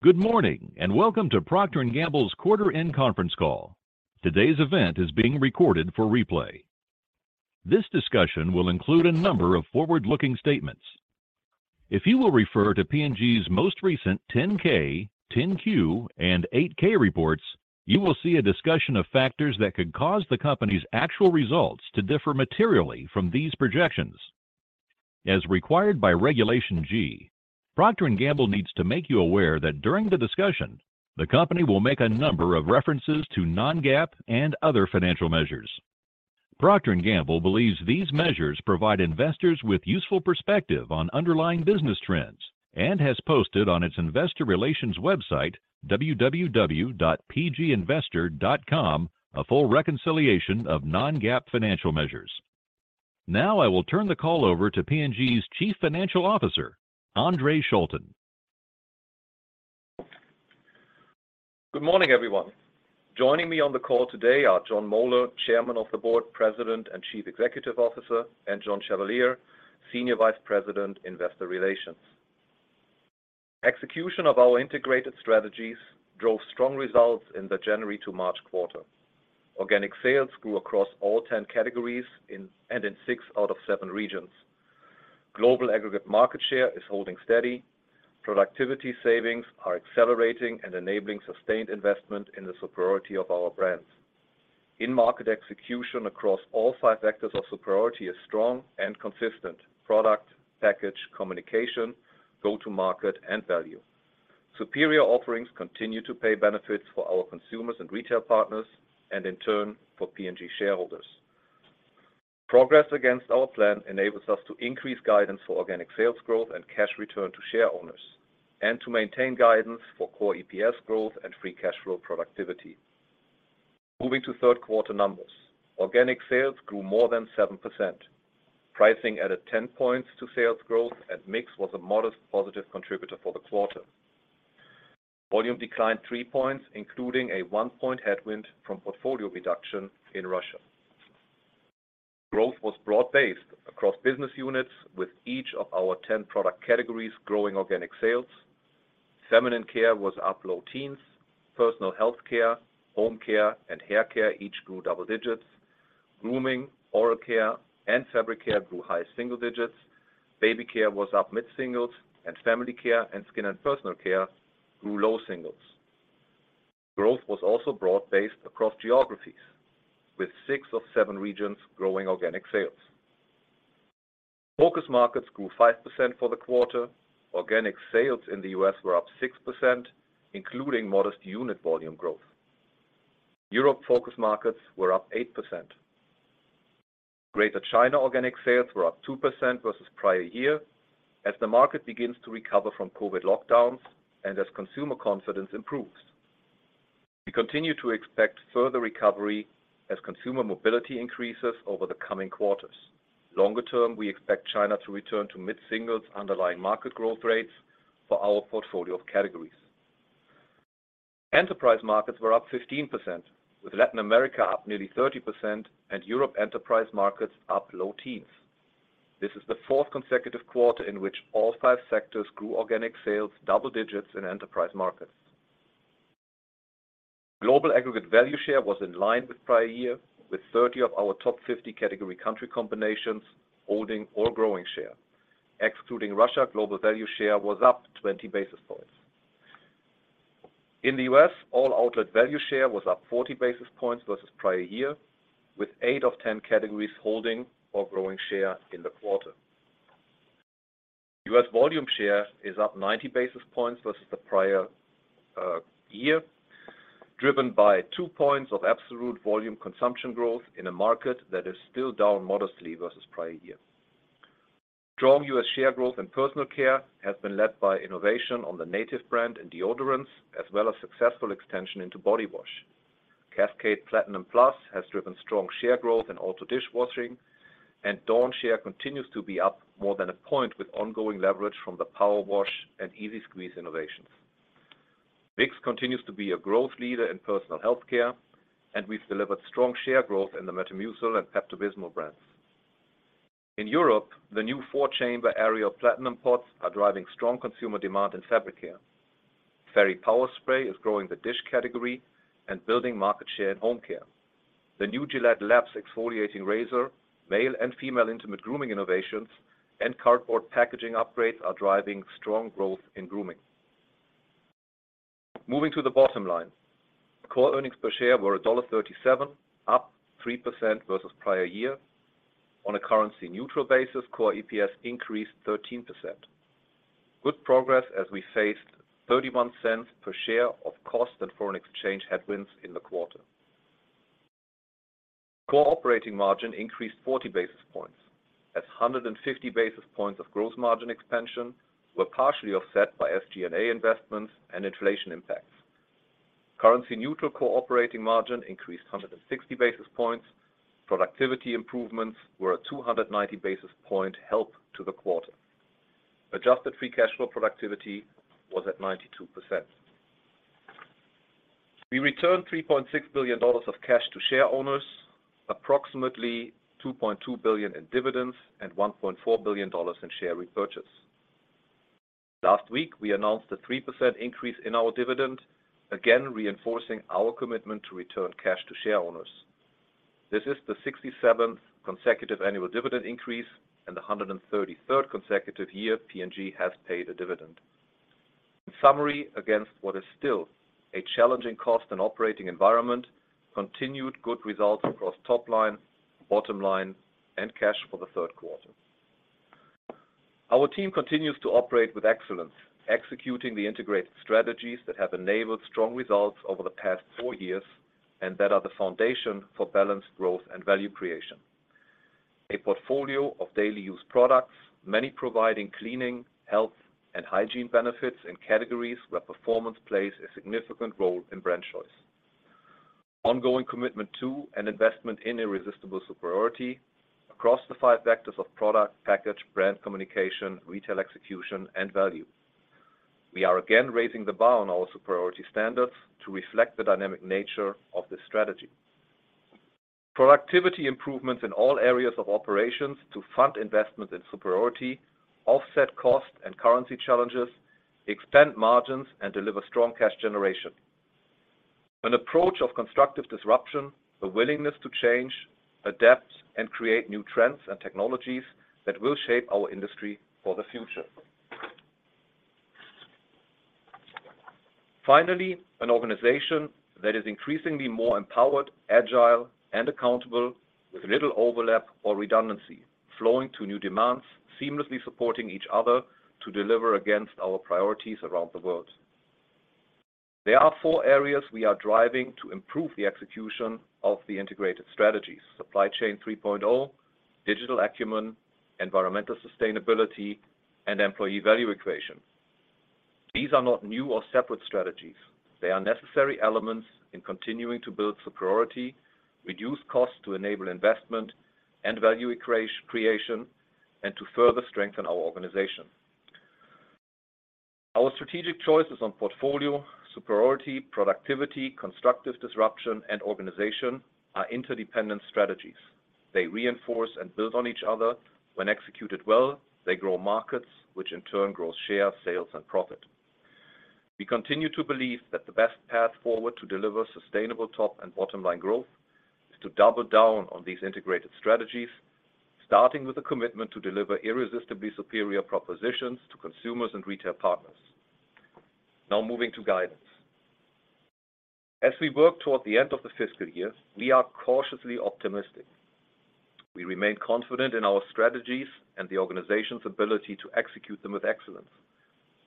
Good morning, and welcome to Procter & Gamble's quarter end conference call. Today's event is being recorded for replay. This discussion will include a number of forward-looking statements. If you will refer to P&G's most recent 10-K, 10-Q, and 8-K reports, you will see a discussion of factors that could cause the company's actual results to differ materially from these projections. As required by Regulation G, Procter & Gamble needs to make you aware that during the discussion, the company will make a number of references to non-GAAP and other financial measures. Procter & Gamble believes these measures provide investors with useful perspective on underlying business trends, and has posted on its investor relations website www.pginvestor.com, a full reconciliation of non-GAAP financial measures. Now I will turn the call over to P&G's Chief Financial Officer, Andre Schulten. Good morning, everyone. Joining me on the call today are Jon Moeller, Chairman of the Board, President, and Chief Executive Officer, and John Chevalier, Senior Vice President, Investor Relations. Execution of our integrated strategies drove strong results in the January to March quarter. Organic sales grew across all 10 categories in, and in six out of seven regions. Global aggregate market share is holding steady. Productivity savings are accelerating and enabling sustained investment in the superiority of our brands. In market execution across all five vectors of superiority is strong and consistent, product, package, communication, go-to-market, and value. Superior offerings continue to pay benefits for our consumers and retail partners and in turn, for P&G shareholders. Progress against our plan enables us to increase guidance for organic sales growth and cash return to shareowners, and to maintain guidance for core EPS growth and free cash flow productivity. Moving to third quarter numbers. Organic sales grew more than 7%. Pricing added 10 points to sales growth, mix was a modest positive contributor for the quarter. Volume declined 3 points, including a 1-point headwind from portfolio reduction in Russia. Growth was broad-based across business units with each of our 10 product categories growing organic sales. Feminine Care was up low teens, Personal Health Care, Home Care, and Hair Care each grew double digits. Grooming, Oral Care, and Fabric Care grew high single digits. Baby Care was up mid-singles, and Family Care skin and Personal Care grew low singles. Growth was also broad-based across geographies, with six of seven regions growing organic sales. Focus markets grew 5% for the quarter. Organic sales in the U.S. were up 6%, including modest unit volume growth. Europe focus markets were up 8%. Greater China organic sales were up 2% versus prior year as the market begins to recover from COVID lockdowns and as consumer confidence improves. We continue to expect further recovery as consumer mobility increases over the coming quarters. Longer term, we expect China to return to mid-singles underlying market growth rates for our portfolio of categories. Enterprise markets were up 15%, with Latin America up nearly 30% and Europe enterprise markets up low teens. This is the fourth consecutive quarter in which all five sectors grew organic sales double digits in enterprise markets. Global aggregate value share was in line with prior year, with 30 of our top 50 category country combinations holding or growing share. Excluding Russia, global value share was up 20 basis points. In the U.S., all outlet value share was up 40 basis points versus prior year, with eight of 10 categories holding or growing share in the quarter. U.S. volume share is up 90 basis points versus the prior year, driven by 2 points of absolute volume consumption growth in a market that is still down modestly versus prior year. Strong U.S. share growth in Personal Care has been led by innovation on the Native brand and deodorants, as well as successful extension into body wash. Cascade Platinum Plus has driven strong share growth in auto dishwashing, and Dawn share continues to be up more than 1 point with ongoing leverage from the Powerwash and EZ-Squeeze innovations. Vicks continues to be a growth leader in Personal Health Care, and we've delivered strong share growth in the Metamucil and Pepto-Bismol brands. In Europe, the new four-chamber Ariel Platinum PODS are driving strong consumer demand in Fabric Care. Fairy Power Spray is growing the dish category and building market share in Home Care. The new GilletteLabs exfoliating razor, male and female intimate Grooming innovations, and cardboard packaging upgrades are driving strong growth in Grooming. Moving to the bottom line. core earnings per share were $1.37, up 3% versus prior year. On a currency neutral basis, core EPS increased 13%. Good progress as we faced $0.31 per share of cost and foreign exchange headwinds in the quarter. core operating margin increased 40 basis points as 150 basis points of gross margin expansion were partially offset by SG&A investments and inflation impacts. Currency neutral core operating margin increased 160 basis points. Productivity improvements were a 290 basis point help to the quarter. Adjusted free cash flow productivity was at 92%. We returned $3.6 billion of cash to share owners, approximately $2.2 billion in dividends, and $1.4 billion in share repurchase. Last week, we announced a 3% increase in our dividend, again reinforcing our commitment to return cash to share owners. This is the 67th consecutive annual dividend increase, and the 133rd consecutive year P&G has paid a dividend. In summary, against what is still a challenging cost and operating environment, continued good results across top line, bottom line, and cash for the third quarter. Our team continues to operate with excellence, executing the integrated strategies that have enabled strong results over the past four years, and that are the foundation for balanced growth and value creation. A portfolio of daily-use products, many providing cleaning, health, and hygiene benefits in categories where performance plays a significant role in brand choice. Ongoing commitment to and investment in irresistible superiority across the five vectors of product, package, brand communication, retail execution, and value. We are again raising the bar on our superiority standards to reflect the dynamic nature of this strategy. Productivity improvements in all areas of operations to fund investment in superiority, offset cost and currency challenges, expand margins, and deliver strong cash generation. An approach of constructive disruption, a willingness to change, adapt, and create new trends and technologies that will shape our industry for the future. Finally, an organization that is increasingly more empowered, agile, and accountable with little overlap or redundancy, flowing to new demands, seamlessly supporting each other to deliver against our priorities around the world. There are four areas we are driving to improve the execution of the integrated strategies, Supply Chain 3.0, digital acumen, environmental sustainability, and Employee Value Equation. These are not new or separate strategies. They are necessary elements in continuing to build superiority, reduce costs to enable investment and value creation, and to further strengthen our organization. Our strategic choices on portfolio, superiority, productivity, constructive disruption, and organization are interdependent strategies. They reinforce and build on each other. When executed well, they grow markets, which in turn grows share, sales, and profit. We continue to believe that the best path forward to deliver sustainable top and bottom line growth is to double down on these integrated strategies, starting with a commitment to deliver irresistibly superior propositions to consumers and retail partners. Now moving to guidance. As we work toward the end of the fiscal year, we are cautiously optimistic. We remain confident in our strategies and the organization's ability to execute them with excellence.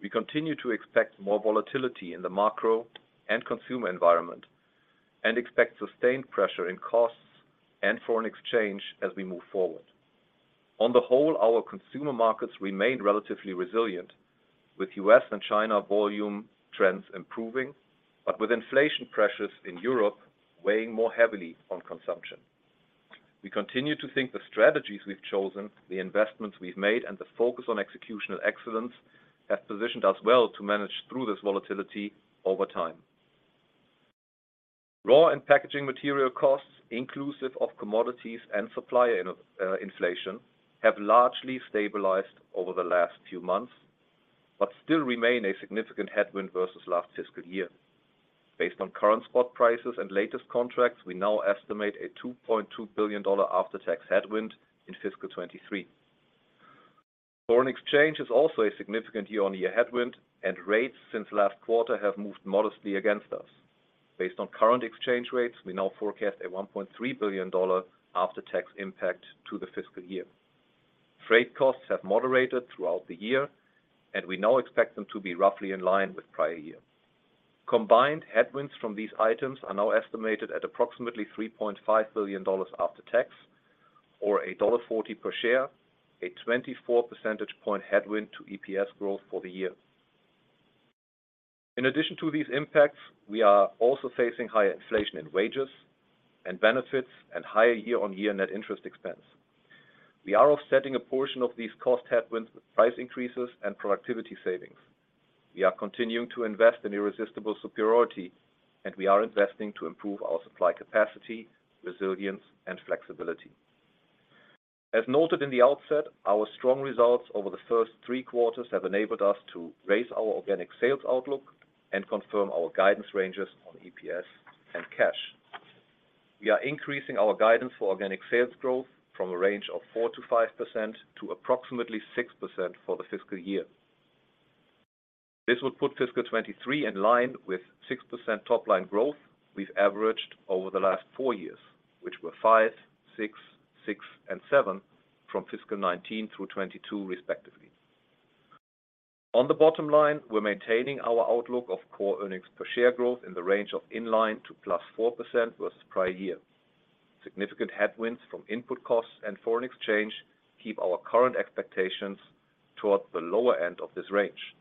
We continue to expect more volatility in the macro and consumer environment, and expect sustained pressure in costs and foreign exchange as we move forward. On the whole, our consumer markets remain relatively resilient with U.S. and China volume trends improving, but with inflation pressures in Europe weighing more heavily on consumption. We continue to think the strategies we've chosen, the investments we've made, and the focus on executional excellence have positioned us well to manage through this volatility over time. Raw and packaging material costs, inclusive of commodities and supplier in-inflation, have largely stabilized over the last few months, but still remain a significant headwind versus last fiscal year. Based on current spot prices and latest contracts, we now estimate a $2.2 billion after-tax headwind in fiscal 2023. Foreign exchange is also a significant year-on-year headwind, and rates since last quarter have moved modestly against us. Based on current exchange rates, we now forecast a $1.3 billion after-tax impact to the fiscal year. Freight costs have moderated throughout the year, and we now expect them to be roughly in line with prior year. Combined headwinds from these items are now estimated at approximately $3.5 billion after tax, or $1.40 per share, a 24 percentage point headwind to EPS growth for the year. In addition to these impacts, we are also facing higher inflation in wages and benefits, and higher year-on-year net interest expense. We are offsetting a portion of these cost headwinds with price increases and productivity savings. We are continuing to invest in irresistible superiority, and we are investing to improve our supply capacity, resilience, and flexibility. As noted in the outset, our strong results over the first three quarters have enabled us to raise our organic sales outlook and confirm our guidance ranges on EPS and cash. We are increasing our guidance for organic sales growth from a range of 4%-5% to approximately 6% for the fiscal year. This would put fiscal 2023 in line with 6% top-line growth we've averaged over the last four years, which were 5%, 6%, 6%, and 7% from fiscal 2019 through 2022, respectively. On the bottom line, we're maintaining our outlook of core earnings per share growth in the range of in line to +4% versus prior year. Significant headwinds from input costs and foreign exchange keep our current expectations toward the lower end of this range.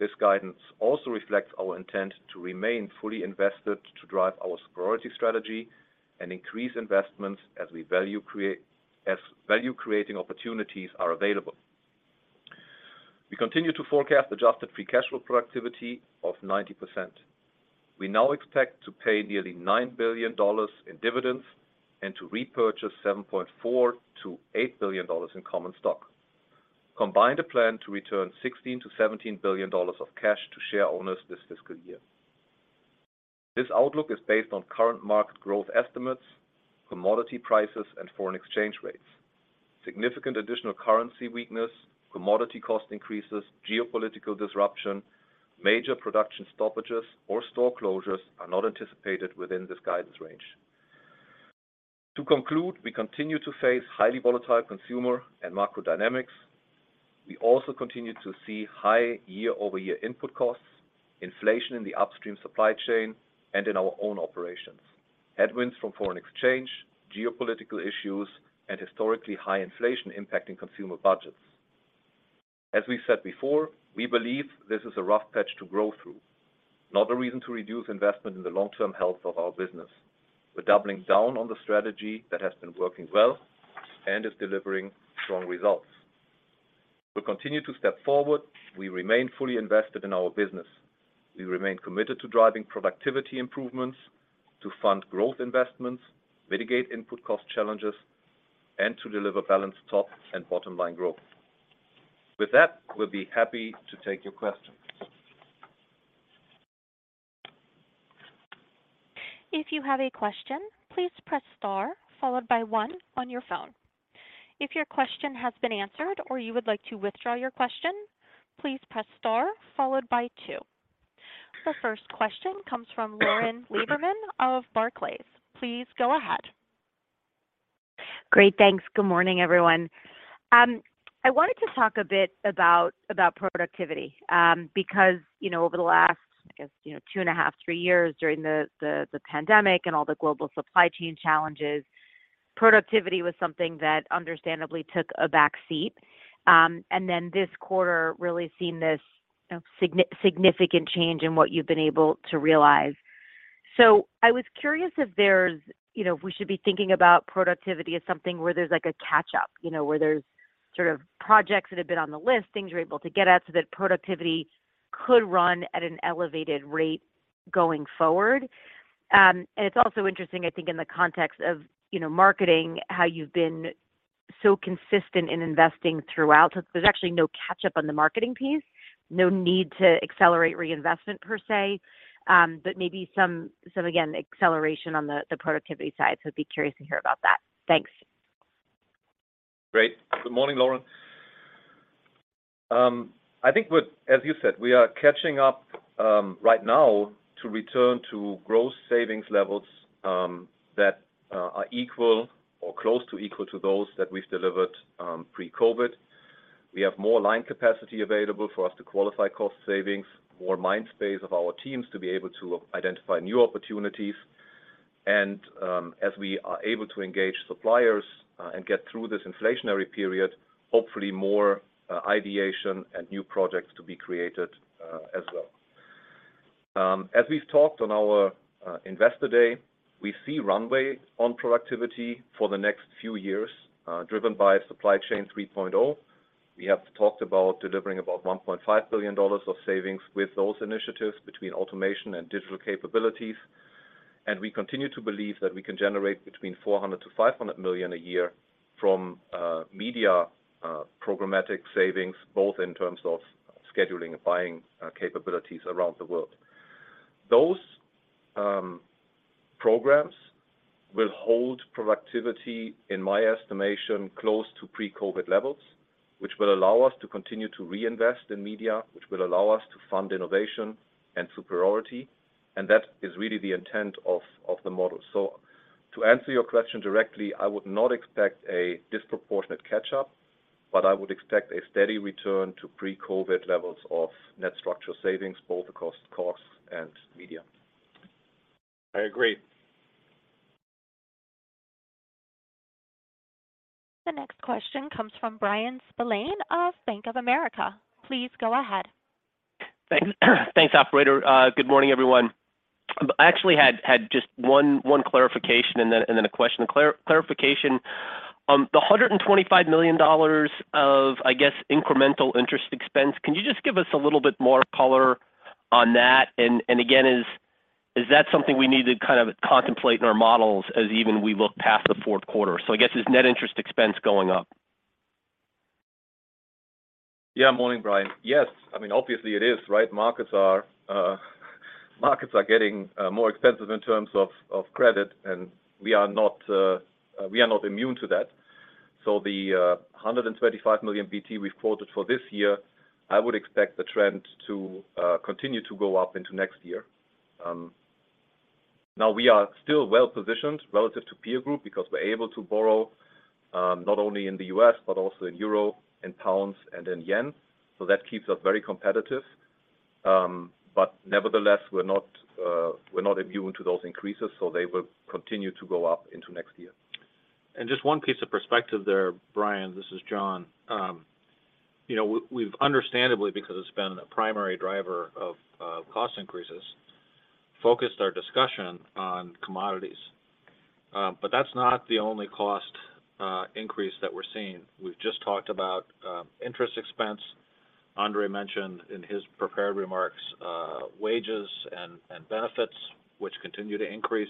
This guidance also reflects our intent to remain fully invested to drive our superiority strategy and increase investments as value-creating opportunities are available. We continue to forecast adjusted free cash flow productivity of 90%. We now expect to pay nearly $9 billion in dividends and to repurchase $7.4 billion-$8 billion in common stock. Combined, a plan to return $16 billion-$17 billion of cash to share owners this fiscal year. This outlook is based on current market growth estimates, commodity prices, and foreign exchange rates. Significant additional currency weakness, commodity cost increases, geopolitical disruption, major production stoppages or store closures are not anticipated within this guidance range. To conclude, we continue to face highly volatile consumer and macro dynamics. We also continue to see high year-over-year input costs, inflation in the upstream supply chain and in our own operations, headwinds from foreign exchange, geopolitical issues, and historically high inflation impacting consumer budgets. As we said before, we believe this is a rough patch to grow through, not a reason to reduce investment in the long-term health of our business. We're doubling down on the strategy that has been working well and is delivering strong results. We'll continue to step forward. We remain fully invested in our business. We remain committed to driving productivity improvements, to fund growth investments, mitigate input cost challenges, and to deliver balanced top and bottom line growth. With that, we'll be happy to take your questions. If you have a question, please press star followed by one on your phone. If your question has been answered or you would like to withdraw your question, please press star followed by two. The first question comes from Lauren Lieberman of Barclays. Please go ahead. Great. Thanks. Good morning, everyone. I wanted to talk a bit about productivity, because, you know, over the last, I guess, you know, 2.5, three years during the, the pandemic and all the global supply chain challenges, productivity was something that understandably took a back seat. This quarter really seen this significant change in what you've been able to realize. I was curious, you know, if we should be thinking about productivity as something where there's like a catch-up, you know, where there's sort of projects that have been on the list, things you're able to get at so that productivity could run at an elevated rate going forward. It's also interesting, I think, in the context of, you know, marketing, how you've been so consistent in investing throughout. There's actually no catch-up on the marketing piece, no need to accelerate reinvestment per se, but maybe some, again, acceleration on the productivity side? I'd be curious to hear about that. Thanks. Great. Good morning, Lauren. I think as you said, we are catching up right now to return to growth savings levels that are equal or close to equal to those that we've delivered pre-COVID. We have more line capacity available for us to qualify cost savings, more mind space of our teams to be able to identify new opportunities. As we are able to engage suppliers and get through this inflationary period, hopefully more ideation and new projects to be created as well. As we've talked on our Investor Day, we see runway on productivity for the next few years, driven by Supply Chain 3.0. We have talked about delivering about $1.5 billion of savings with those initiatives between automation and digital capabilities. We continue to believe that we can generate between $400 million-$500 million a year from media, programmatic savings, both in terms of scheduling and buying capabilities around the world. Those programs will hold productivity, in my estimation, close to pre-COVID levels, which will allow us to continue to reinvest in media, which will allow us to fund innovation and superiority, and that is really the intent of the model. To answer your question directly, I would not expect a disproportionate catch-up, but I would expect a steady return to pre-COVID levels of net structure savings, both across costs and media. I agree. The next question comes from Bryan Spillane of Bank of America. Please go ahead. Thanks, operator. Good morning, everyone. I actually had just one clarification and then a question. Clarification, the $125 million of, I guess, incremental interest expense, can you just give us a little bit more color on that? Again, is that something we need to kind of contemplate in our models as even we look past the fourth quarter? I guess, is net interest expense going up? Yeah. Morning, Bryan. Yes. I mean, obviously it is, right? Markets are getting more expensive in terms of credit, and we are not immune to that. The $125 million BT we've quoted for this year, I would expect the trend to continue to go up into next year. Now we are still well-positioned relative to peer group because we're able to borrow, not only in the U.S., but also in euro, in pounds, and in yen. That keeps us very competitive. Nevertheless, we're not immune to those increases. They will continue to go up into next year. Just one piece of perspective there, Bryan. This is Jon. you know, we've understandably, because it's been a primary driver of cost increases, focused our discussion on commodities. That's not the only cost increase that we're seeing. We've just talked about interest expense. Andre mentioned in his prepared remarks, wages and benefits which continue to increase.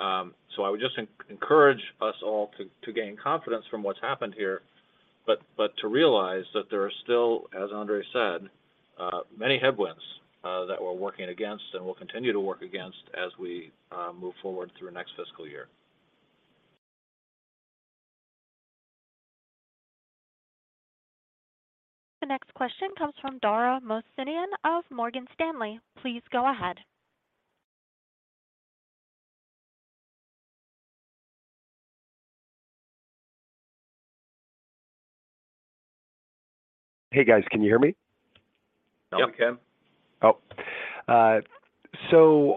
I would just encourage us all to gain confidence from what's happened here, but to realize that there are still, as Andre said, many headwinds that we're working against and will continue to work against as we move forward through next fiscal year. The next question comes from Dara Mohsenian of Morgan Stanley. Please go ahead. Hey, guys. Can you hear me? Yep. We can.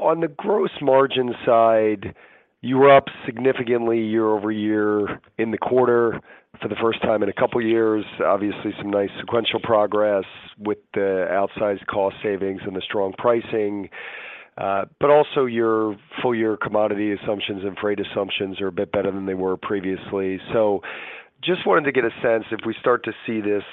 On the gross margin side, you were up significantly year-over-year in the quarter for the first time in a couple years. Obviously, some nice sequential progress with the outsized cost savings and the strong pricing, also your full year commodity assumptions and freight assumptions are a bit better than they were previously. Just wanted to get a sense if we start to see this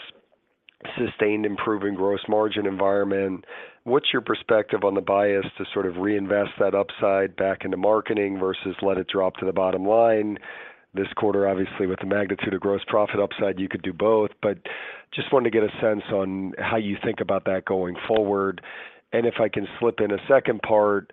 sustained improvement gross margin environment, what's your perspective on the bias to sort of reinvest that upside back into marketing versus let it drop to the bottom line this quarter? Obviously, with the magnitude of gross profit upside, you could do both, just wanted to get a sense on how you think about that going forward. If I can slip in a second part,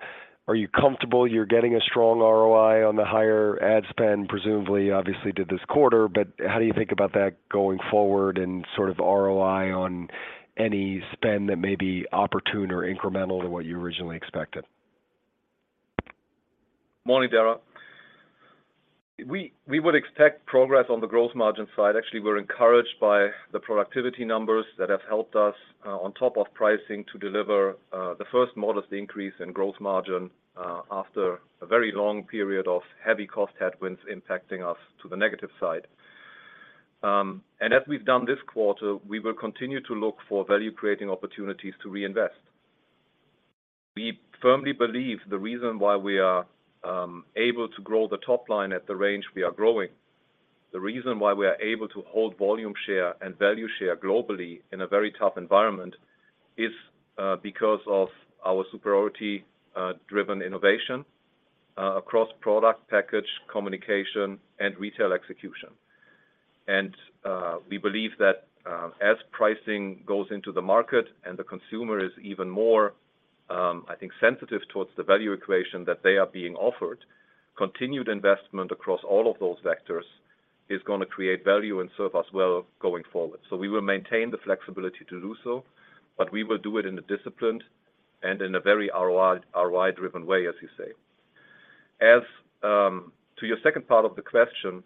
are you comfortable you're getting a strong ROI on the higher ad spend? Presumably, obviously you did this quarter, but how do you think about that going forward and sort of ROI on any spend that may be opportune or incremental to what you originally expected? Morning, Dara. We would expect progress on the gross margin side. Actually, we're encouraged by the productivity numbers that have helped us on top of pricing to deliver the first modest increase in gross margin after a very long period of heavy cost headwinds impacting us to the negative side. As we've done this quarter, we will continue to look for value-creating opportunities to reinvest. We firmly believe the reason why we are able to grow the top line at the range we are growing, the reason why we are able to hold volume share and value share globally in a very tough environment is because of our superiority driven innovation across product, package, communication, and retail execution. We believe that, as pricing goes into the market and the consumer is even more, I think, sensitive towards the value equation that they are being offered, continued investment across all of those vectors is gonna create value and serve us well going forward. We will maintain the flexibility to do so, but we will do it in a disciplined and in a very ROI-driven way, as you say. To your second part of the question,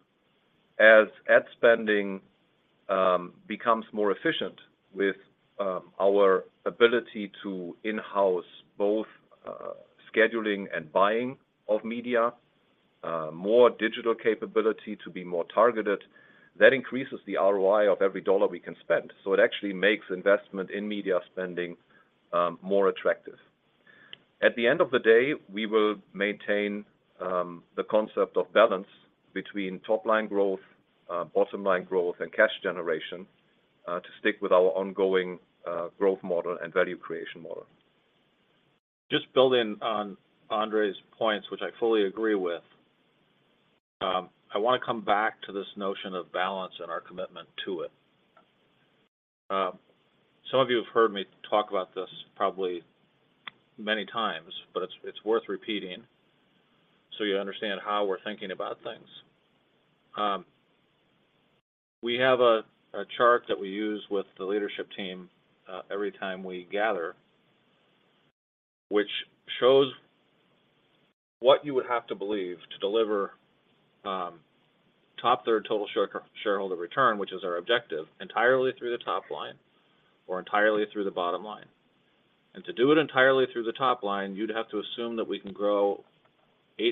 as ad spending becomes more efficient with our ability to in-house both scheduling and buying of media, more digital capability to be more targeted, that increases the ROI of every dollar we can spend. It actually makes investment in media spending more attractive. At the end of the day, we will maintain the concept of balance between top line growth, bottom line growth, and cash generation, to stick with our ongoing growth model and value creation model. Building on Andre's points, which I fully agree with, I wanna come back to this notion of balance and our commitment to it. Some of you have heard me talk about this probably many times, but it's worth repeating so you understand how we're thinking about things. We have a chart that we use with the leadership team every time we gather, which shows what you would have to believe to deliver top third total shareholder return, which is our objective, entirely through the top line or entirely through the bottom line. To do it entirely through the top line, you'd have to assume that we can grow 8%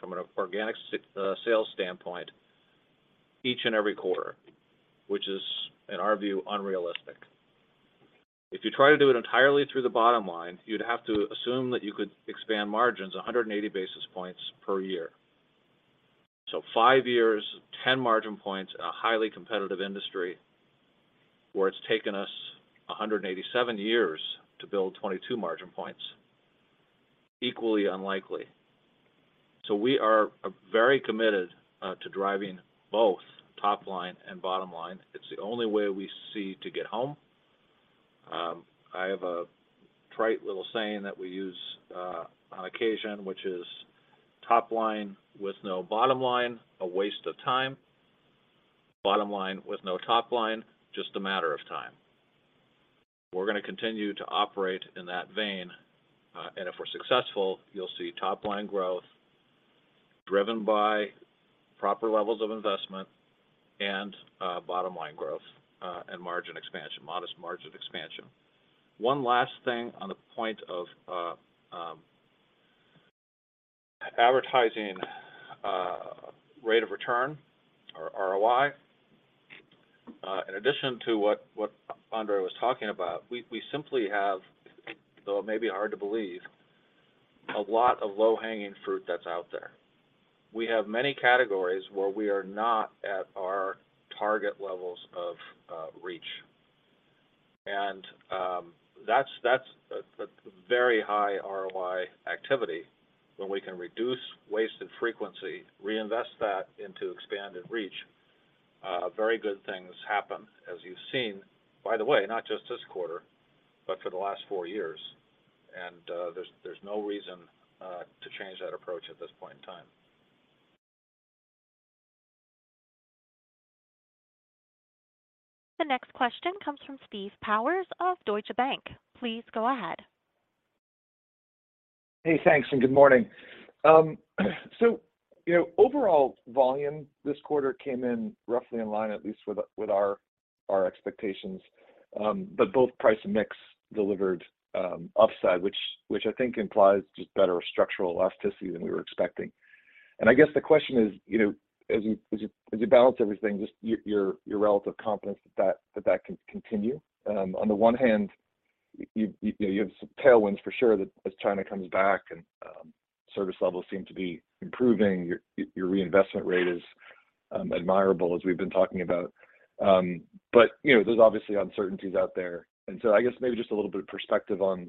from an organic sales standpoint each and every quarter, which is, in our view, unrealistic. If you try to do it entirely through the bottom line, you'd have to assume that you could expand margins 180 basis points per year. Five years, 10 margin points in a highly competitive industry where it's taken us 187 years to build 22 margin points, equally unlikely. We are very committed to driving both top line and bottom line. It's the only way we see to get home. I have a trite little saying that we use on occasion, which is, "Top line with no bottom line, a waste of time. Bottom line with no top line, just a matter of time." We're gonna continue to operate in that vein, and if we're successful, you'll see top line growth driven by proper levels of investment and bottom line growth and margin expansion, modest margin expansion. One last thing on the point of advertising, rate of return or ROI. In addition to what Andre was talking about, we simply have, though it may be hard to believe, a lot of low-hanging fruit that's out there. We have many categories where we are not at our target levels of reach. That's, that's a very high ROI activity when we can reduce wasted frequency, reinvest that into expanded reach. Very good things happen as you've seen, by the way, not just this quarter, but for the last four years. There's no reason to change that approach at this point in time. The next question comes from Steve Powers of Deutsche Bank. Please go ahead. Hey, thanks. Good morning. you know, overall volume this quarter came in roughly in line, at least with our expectations. Both price and mix delivered upside, which I think implies just better structural elasticity than we were expecting. I guess the question is, you know, as you balance everything, just your relative confidence that can continue. On the one hand, you know, you have some tailwinds for sure that as China comes back and service levels seem to be improving, your reinvestment rate is admirable, as we've been talking about. you know, there's obviously uncertainties out there. I guess maybe just a little bit of perspective on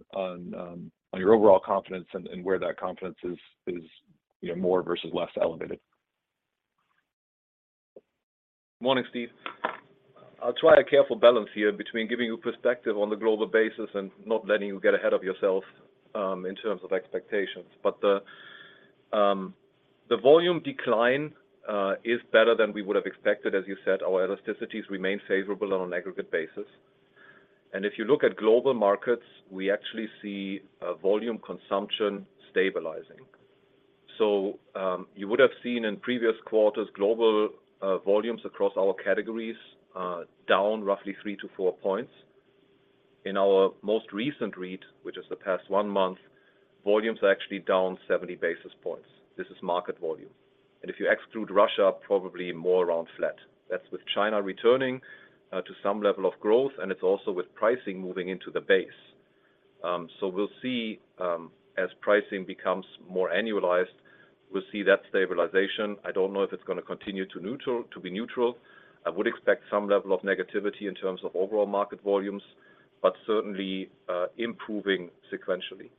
your overall confidence and where that confidence is, you know, more versus less elevated? Morning, Steve. I'll try a careful balance here between giving you perspective on the global basis and not letting you get ahead of yourself in terms of expectations. The volume decline is better than we would have expected, as you said. Our elasticities remain favorable on an aggregate basis. We actually see volume consumption stabilizing. You would have seen in previous quarters global volumes across our categories down roughly three to four points. In our most recent read, which is the past one month, volumes are actually down 70 basis points. This is market volume. Probably more around flat. That's with China returning to some level of growth, and it's also with pricing moving into the base. We'll see, as pricing becomes more annualized, we'll see that stabilization. I don't know if it's gonna continue to neutral, to be neutral. I would expect some level of negativity in terms of overall market volumes, but certainly, improving sequentially.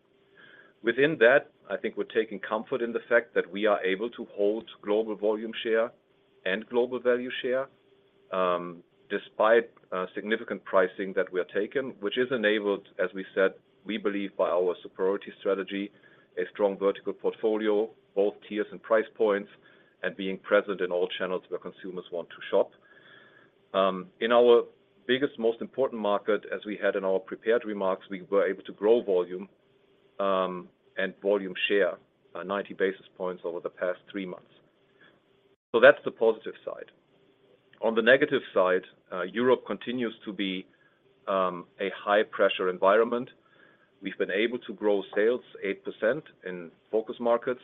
Within that, I think we're taking comfort in the fact that we are able to hold global volume share and global value share, despite significant pricing that we are taking, which is enabled, as we said, we believe by our superiority strategy, a strong vertical portfolio, both tiers and price points, and being present in all channels where consumers want to shop. In our biggest, most important market, as we had in our prepared remarks, we were able to grow volume, and volume share, 90 basis points over the past three months. That's the positive side. On the negative side, Europe continues to be a high-pressure environment. We've been able to grow sales 8% in focus markets,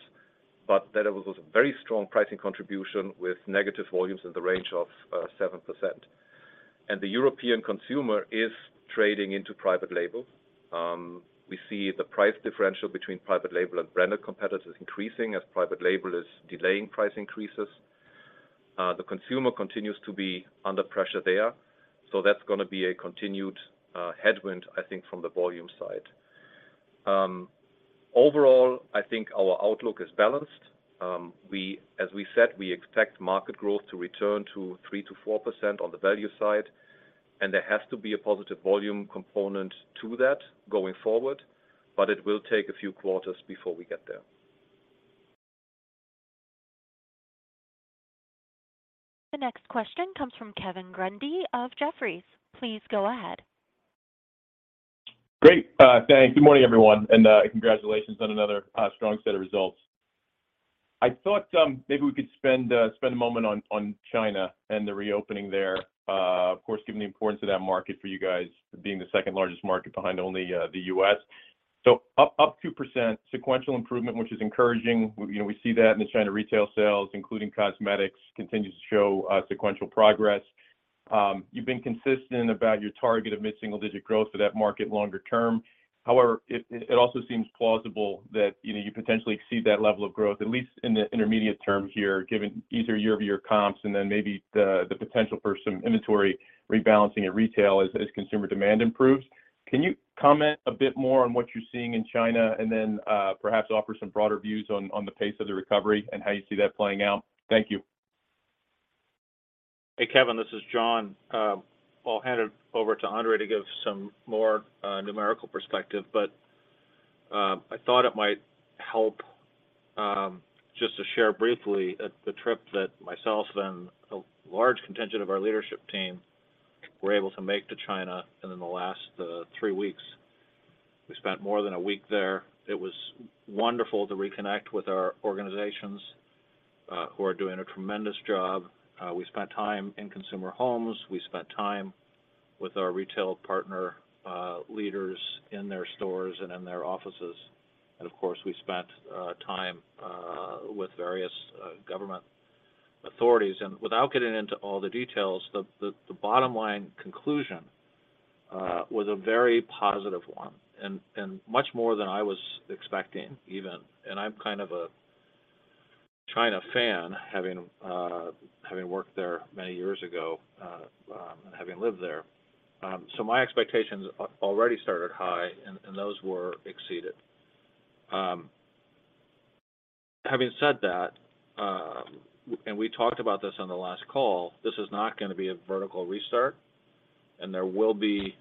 but that was a very strong pricing contribution with negative volumes in the range of 7%. The European consumer is trading into private label. We see the price differential between private label and branded competitors increasing as private label is delaying price increases. The consumer continues to be under pressure there. That's gonna be a continued headwind, I think, from the volume side. Overall, I think our outlook is balanced. We as we said, we expect market growth to return to 3%-4% on the value side, and there has to be a positive volume component to that going forward, but it will take a few quarters before we get there. The next question comes from Kevin Grundy of Jefferies. Please go ahead. Great. Thanks. Good morning, everyone. Congratulations on another strong set of results. I thought maybe we could spend a moment on China and the reopening there, of course, given the importance of that market for you guys being the second-largest market behind only the U.S. Up 2% sequential improvement, which is encouraging. You know, we see that in the China retail sales, including cosmetics, continues to show sequential progress. You've been consistent about your target of mid-single digit growth for that market longer term. However, it also seems plausible that, you know, you potentially exceed that level of growth, at least in the intermediate term here, given easier year-over-year comps, and then maybe the potential for some inventory rebalancing at retail as consumer demand improves. Can you comment a bit more on what you're seeing in China, and then, perhaps offer some broader views on the pace of the recovery and how you see that playing out? Thank you. Hey, Kevin, this is Jon. I'll hand it over to Andre Schulten to give some more numerical perspective, but, I thought it might help, just to share briefly at the trip that myself and a large contingent of our leadership team were able to make to China in the last three weeks. We spent more than one week there. It was wonderful to reconnect with our organizations, who are doing a tremendous job. We spent time in consumer homes. We spent time with our retail partner, leaders in their stores and in their offices. Of course, we spent time with various government authorities. Without getting into all the details, the bottom line conclusion was a very positive one and much more than I was expecting even. I'm kind of a China fan, having worked there many years ago and having lived there. So my expectations already started high, and those were exceeded. Having said that, we talked about this on the last call, this is not gonna be a vertical restart, and there will be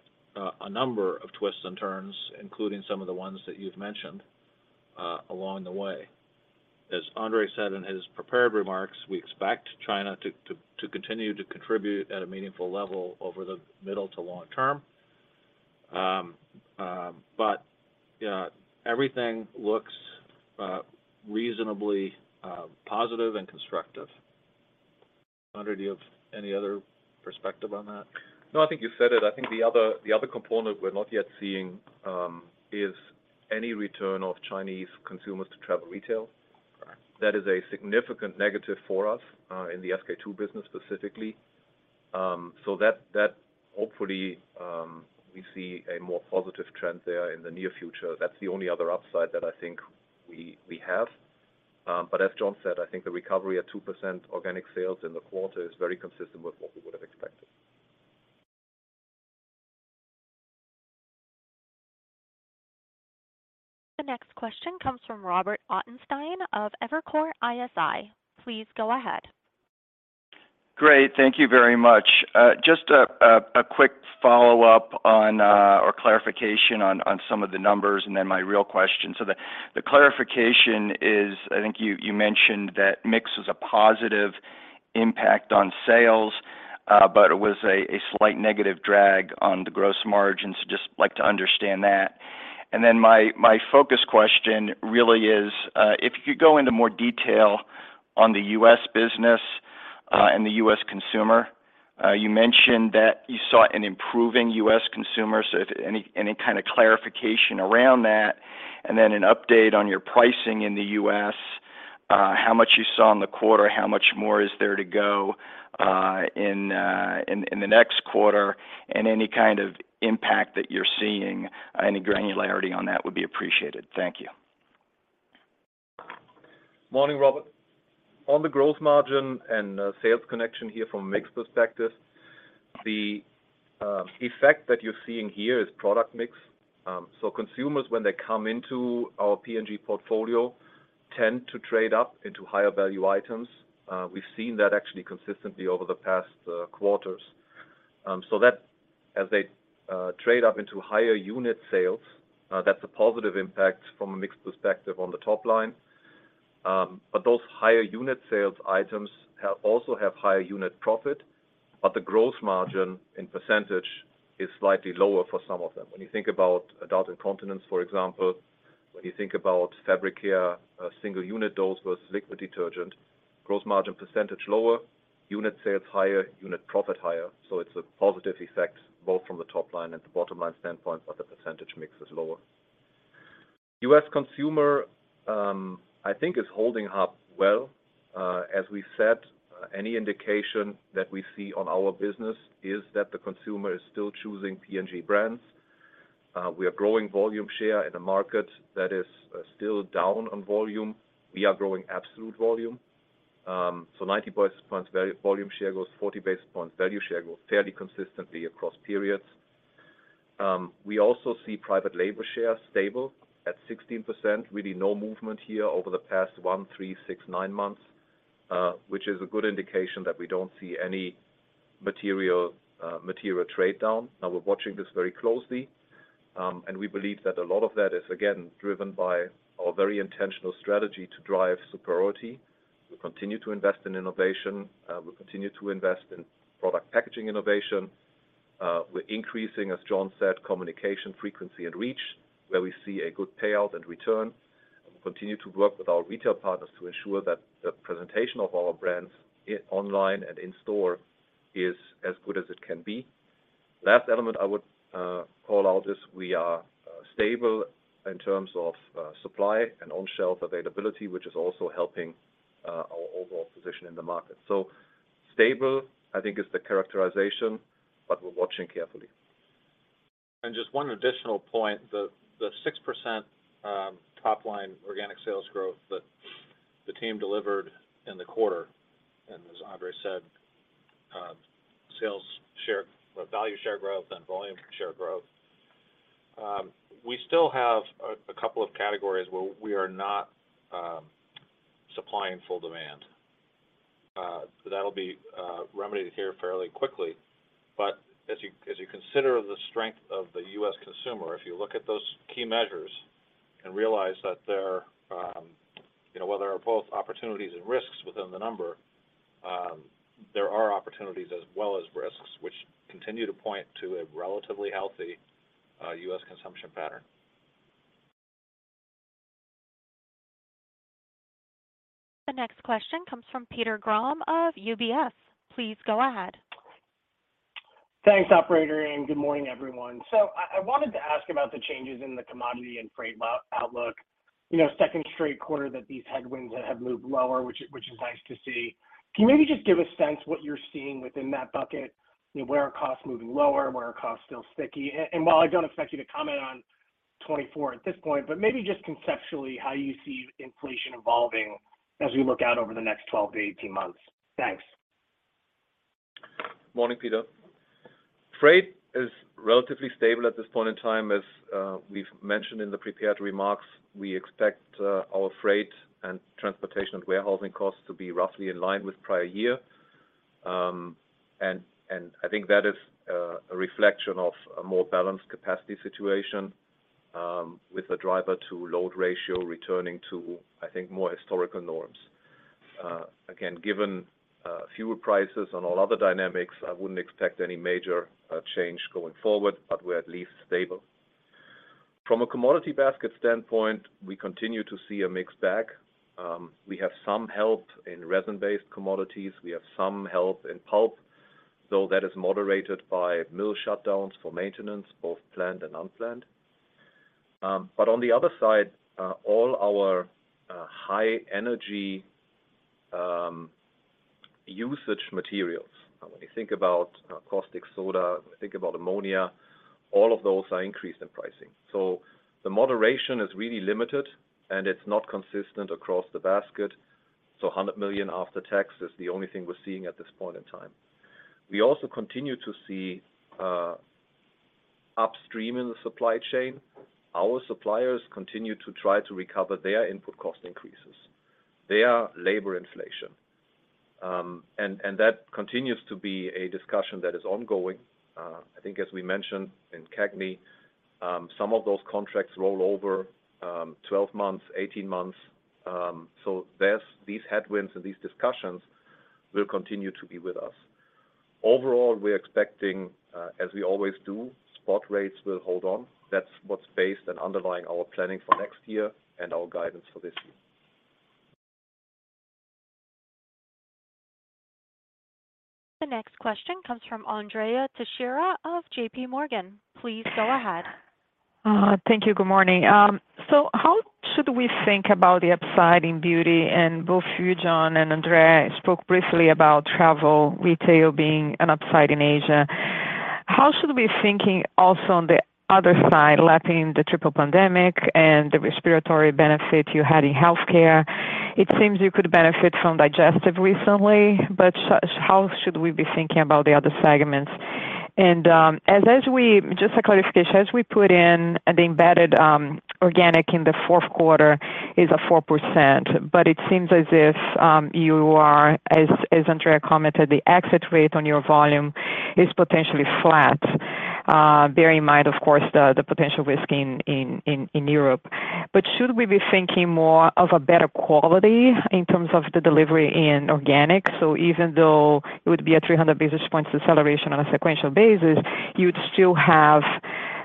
a number of twists and turns, including some of the ones that you've mentioned along the way. As Andre said in his prepared remarks, we expect China to continue to contribute at a meaningful level over the middle to long term. But, you know, everything looks reasonably positive and constructive. Andre, do you have any other perspective on that? No, I think you said it. I think the other component we're not yet seeing, is any return of Chinese consumers to travel retail. Right. That is a significant negative for us, in the SK-II business specifically. That, that hopefully, we see a more positive trend there in the near future. That's the only other upside that I think we have. As Jon said, I think the recovery at 2% organic sales in the quarter is very consistent with what we would have expected. The next question comes from Robert Ottenstein of Evercore ISI. Please go ahead. Great. Thank you very much. Just a quick follow-up on or clarification on some of the numbers, and then my real question. The clarification is, I think you mentioned that mix was a positive impact on sales, but it was a slight negative drag on the gross margins. Just like to understand that. My focus question really is, if you could go into more detail on the U.S. business and the U.S. consumer? You mentioned that you saw an improving U.S. consumer, so any kind of clarification around that, and then an update on your pricing in the U.S., how much you saw in the quarter, how much more is there to go in the next quarter, and any kind of impact that you're seeing? Any granularity on that would be appreciated. Thank you. Morning, Robert. On the growth margin and sales connection here from mix perspective, the effect that you're seeing here is product mix. Consumers, when they come into our P&G portfolio, tend to trade up into higher value items. We've seen that actually consistently over the past quarters. That as they trade up into higher unit sales, that's a positive impact from a mix perspective on the top line. Those higher unit sales items also have higher unit profit, but the gross margin in % is slightly lower for some of them. When you think about adult incontinence, for example, when you think about Fabric Care, a single unit dose versus liquid detergent, gross margin % lower, unit sales higher, unit profit higher. It's a positive effect both from the top line and the bottom-line standpoint, but the precentage mix is lower. U.S. consumer, I think is holding up well. As we said, any indication that we see on our business is that the consumer is still choosing P&G brands. We are growing volume share in a market that is still down on volume. We are growing absolute volume. 90 basis points volume share growth, 40 basis points value share growth, fairly consistently across periods. We also see private label share stable at 16%. Really no movement here over the past one, three, six, nine months, which is a good indication that we don't see any material trade down. We're watching this very closely. We believe that a lot of that is again, driven by our very intentional strategy to drive superiority. We continue to invest in innovation. We continue to invest in product packaging innovation. We're increasing, as Jon said, communication frequency and reach, where we see a good payout and return. We continue to work with our retail partners to ensure that the presentation of our brands e- online and in store is as good as it can be. Last element I would call out is we are stable in terms of supply and on-shelf availability, which is also helping our overall position in the market. Stable, I think is the characterization, but we're watching carefully. Just one additional point. The 6% top line organic sales growth that the team delivered in the quarter, and as Andre said, sales share value share growth and volume share growth, we still have a couple of categories where we are not supplying full demand. That'll be remedied here fairly quickly. As you, as you consider the strength of the U.S. consumer, if you look at those key measures and realize that there, you know, while there are both opportunities and risks within the number, there are opportunities as well as risks, which continue to point to a relatively healthy U.S. consumption pattern. The next question comes from Peter Grom of UBS. Please go ahead. Thanks, operator, and good morning, everyone. I wanted to ask about the changes in the commodity and freight outlook. You know, second straight quarter that these headwinds have moved lower, which is nice to see. Can you maybe just give a sense what you're seeing within that bucket? You know, where are costs moving lower, where are costs still sticky? While I don't expect you to comment on 2024 at this point, but maybe just conceptually, how you see inflation evolving as we look out over the next 12 to 18 months. Thanks. Morning, Peter. Freight is relatively stable at this point in time. As we've mentioned in the prepared remarks, we expect our freight and transportation and warehousing costs to be roughly in line with prior year. I think that is a reflection of a more balanced capacity situation, with the driver to load ratio returning to, I think, more historical norms. Again, given fewer prices on all other dynamics, I wouldn't expect any major change going forward, but we're at least stable. From a commodity basket standpoint, we continue to see a mixed bag. We have some help in resin-based commodities. We have some help in pulp, though that is moderated by mill shutdowns for maintenance, both planned and unplanned. On the other side, all our high energy usage materials, when you think about caustic soda, think about ammonia, all of those are increased in pricing. The moderation is really limited, and it's not consistent across the basket. $100 million after tax is the only thing we're seeing at this point in time. We also continue to see upstream in the supply chain. Our suppliers continue to try to recover their input cost increases, their labor inflation. That continues to be a discussion that is ongoing. I think as we mentioned in CAGNY, some of those contracts roll over, 12 months, 18 months. These headwinds and these discussions will continue to be with us. Overall, we're expecting, as we always do, spot rates will hold on. That's what's based and underlying our planning for next year and our guidance for this year. The next question comes from Andrea Teixeira of JPMorgan. Please go ahead. Thank you. Good morning. How should we think about the upside in beauty? Both you, Jon, and Andre spoke briefly about travel, retail being an upside in Asia. How should we be thinking also on the other side, lapping the triple pandemic and the respiratory benefit you had in healthcare? It seems you could benefit from digestive recently, but how should we be thinking about the other segments? As we just a clarification, as we put in the embedded organic in the fourth quarter is a 4%, but it seems as if you are, as Andre commented, the exit rate on your volume is potentially flat, bearing in mind, of course, the potential risk in Europe. Should we be thinking more of a better quality in terms of the delivery in organic? Even though it would be a 300 basis points acceleration on a sequential basis, you'd still have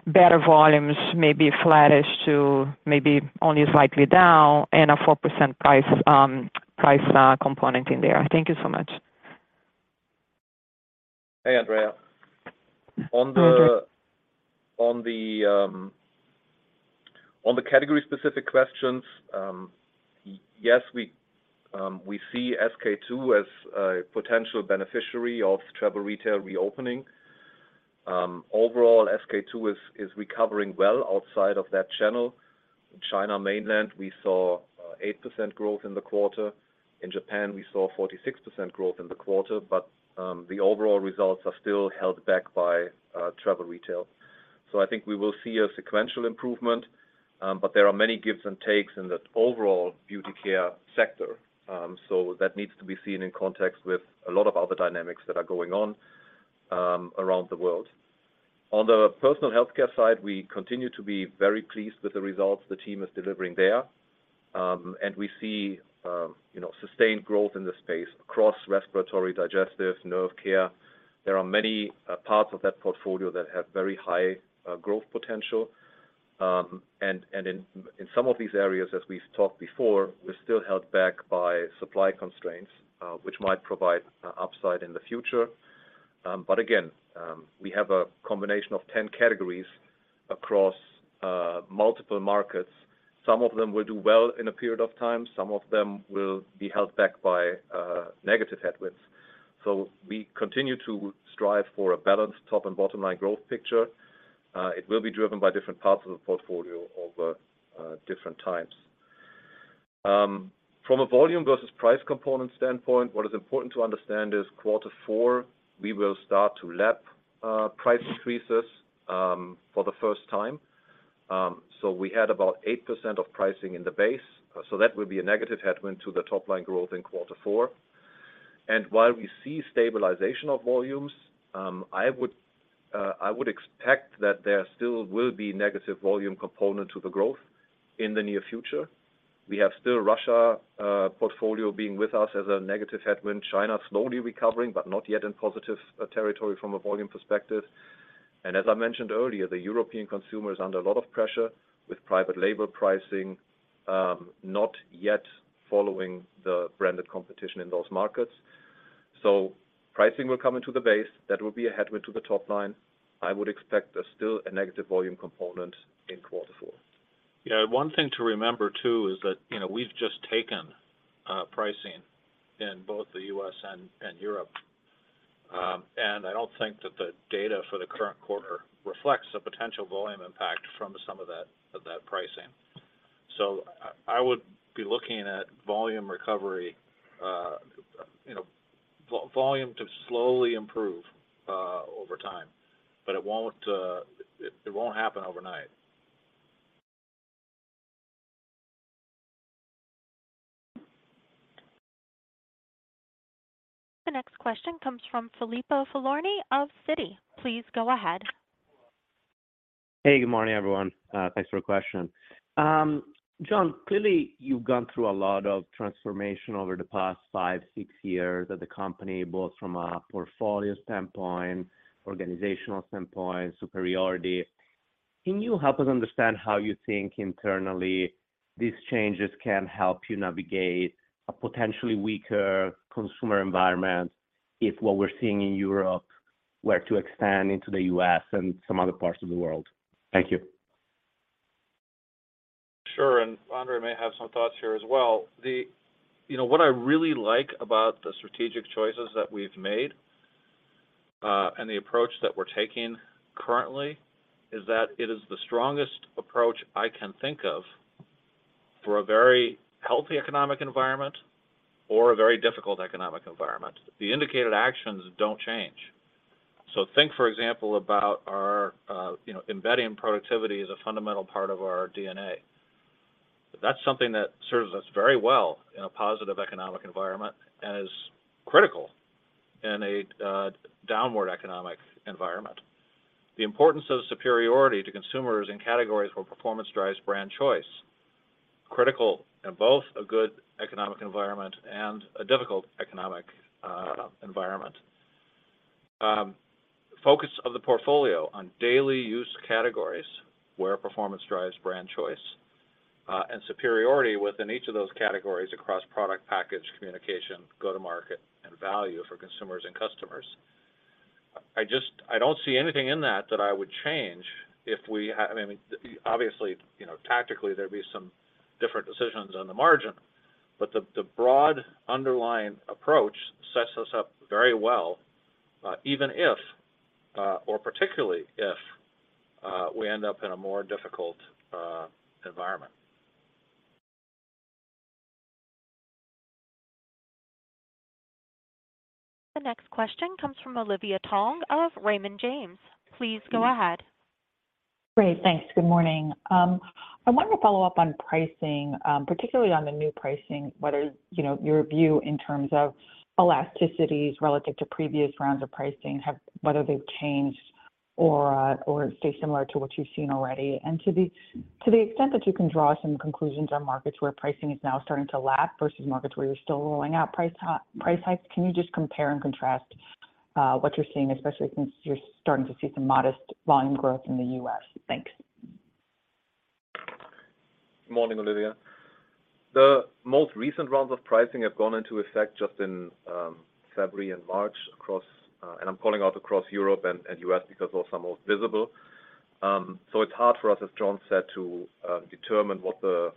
better volumes, maybe flattish to maybe only slightly down and a 4% price component in there. Thank you so much. Hey, Andrea. Hi, Andre. On the category-specific questions, yes, we see SK-II as a potential beneficiary of travel retail reopening. Overall, SK-II is recovering well outside of that channel. In China mainland, we saw 8% growth in the quarter. In Japan, we saw 46% growth in the quarter. The overall results are still held back by travel retail. I think we will see a sequential improvement, but there are many gives and takes in the overall beauty care sector. That needs to be seen in context with a lot of other dynamics that are going on around the world. On the personal healthcare side, we continue to be very pleased with the results the team is delivering there. We see, you know, sustained growth in the space across respiratory, digestive, nerve care. There are many parts of that portfolio that have very high growth potential. In some of these areas, as we've talked before, we're still held back by supply constraints, which might provide upside in the future. Again, we have a combination of 10 categories across multiple markets. Some of them will do well in a period of time. Some of them will be held back by negative headwinds. We continue to strive for a balanced top and bottom line growth picture. It will be driven by different parts of the portfolio over different times. From a volume versus price component standpoint, what is important to understand is quarter four, we will start to lap price increases for the first time. We had about 8% of pricing in the base. That will be a negative headwind to the top line growth in quarter four. While we see stabilization of volumes, I would expect that there still will be negative volume component to the growth in the near future. We have still Russia portfolio being with us as a negative headwind. China slowly recovering, but not yet in positive territory from a volume perspective. As I mentioned earlier, the European consumer is under a lot of pressure with private label pricing, not yet following the branded competition in those markets. Pricing will come into the base. That will be a headwind to the top line. I would expect there's still a negative volume component in quarter four. Yeah. One thing to remember, too, is that, you know, we've just taken pricing in both the U.S. and Europe. I don't think that the data for the current quarter reflects the potential volume impact from some of that pricing. I would be looking at volume recovery, you know, volume to slowly improve over time, but it won't happen overnight. The next question comes from Filippo Falorni of Citi. Please go ahead. Hey, good morning, everyone. Thanks for the question. Jon, clearly, you've gone through a lot of transformation over the past five, six years at the company, both from a portfolio standpoint, organizational standpoint, superiority. Can you help us understand how you think internally these changes can help you navigate a potentially weaker consumer environment if what we're seeing in Europe were to expand into the U.S. and some other parts of the world? Thank you. Sure, Andre may have some thoughts here as well. You know, what I really like about the strategic choices that we've made, and the approach that we're taking currently is that it is the strongest approach I can think of for a very healthy economic environment or a very difficult economic environment. The indicated actions don't change. Think, for example, about our, you know, embedding productivity is a fundamental part of our DNA. That's something that serves us very well in a positive economic environment and is critical in a downward economic environment. The importance of superiority to consumers in categories where performance drives brand choice, critical in both a good economic environment and a difficult economic environment. Focus of the portfolio on daily-use categories where performance drives brand choice, and superiority within each of those categories across product package communication, go-to-market and value for consumers and customers. I don't see anything in that that I would change if we, I mean, obviously, you know, tactically, there'd be some different decisions on the margin, but the broad underlying approach sets us up very well, even if, or particularly if, we end up in a more difficult environment. The next question comes from Olivia Tong of Raymond James. Please go ahead. Great. Thanks. Good morning. I wanted to follow up on pricing, particularly on the new pricing, whether, you know, your view in terms of elasticities relative to previous rounds of pricing, whether they've changed or stay similar to what you've seen already. And to the extent that you can draw some conclusions on markets where pricing is now starting to lap versus markets where you're still rolling out price hikes, can you just compare and contrast, what you're seeing, especially since you're starting to see some modest volume growth in the U.S.? Thanks. Morning, Olivia. The most recent rounds of pricing have gone into effect just in February and March across and I'm calling out across Europe and U.S. because those are most visible. It's hard for us, as Jon said, to determine what the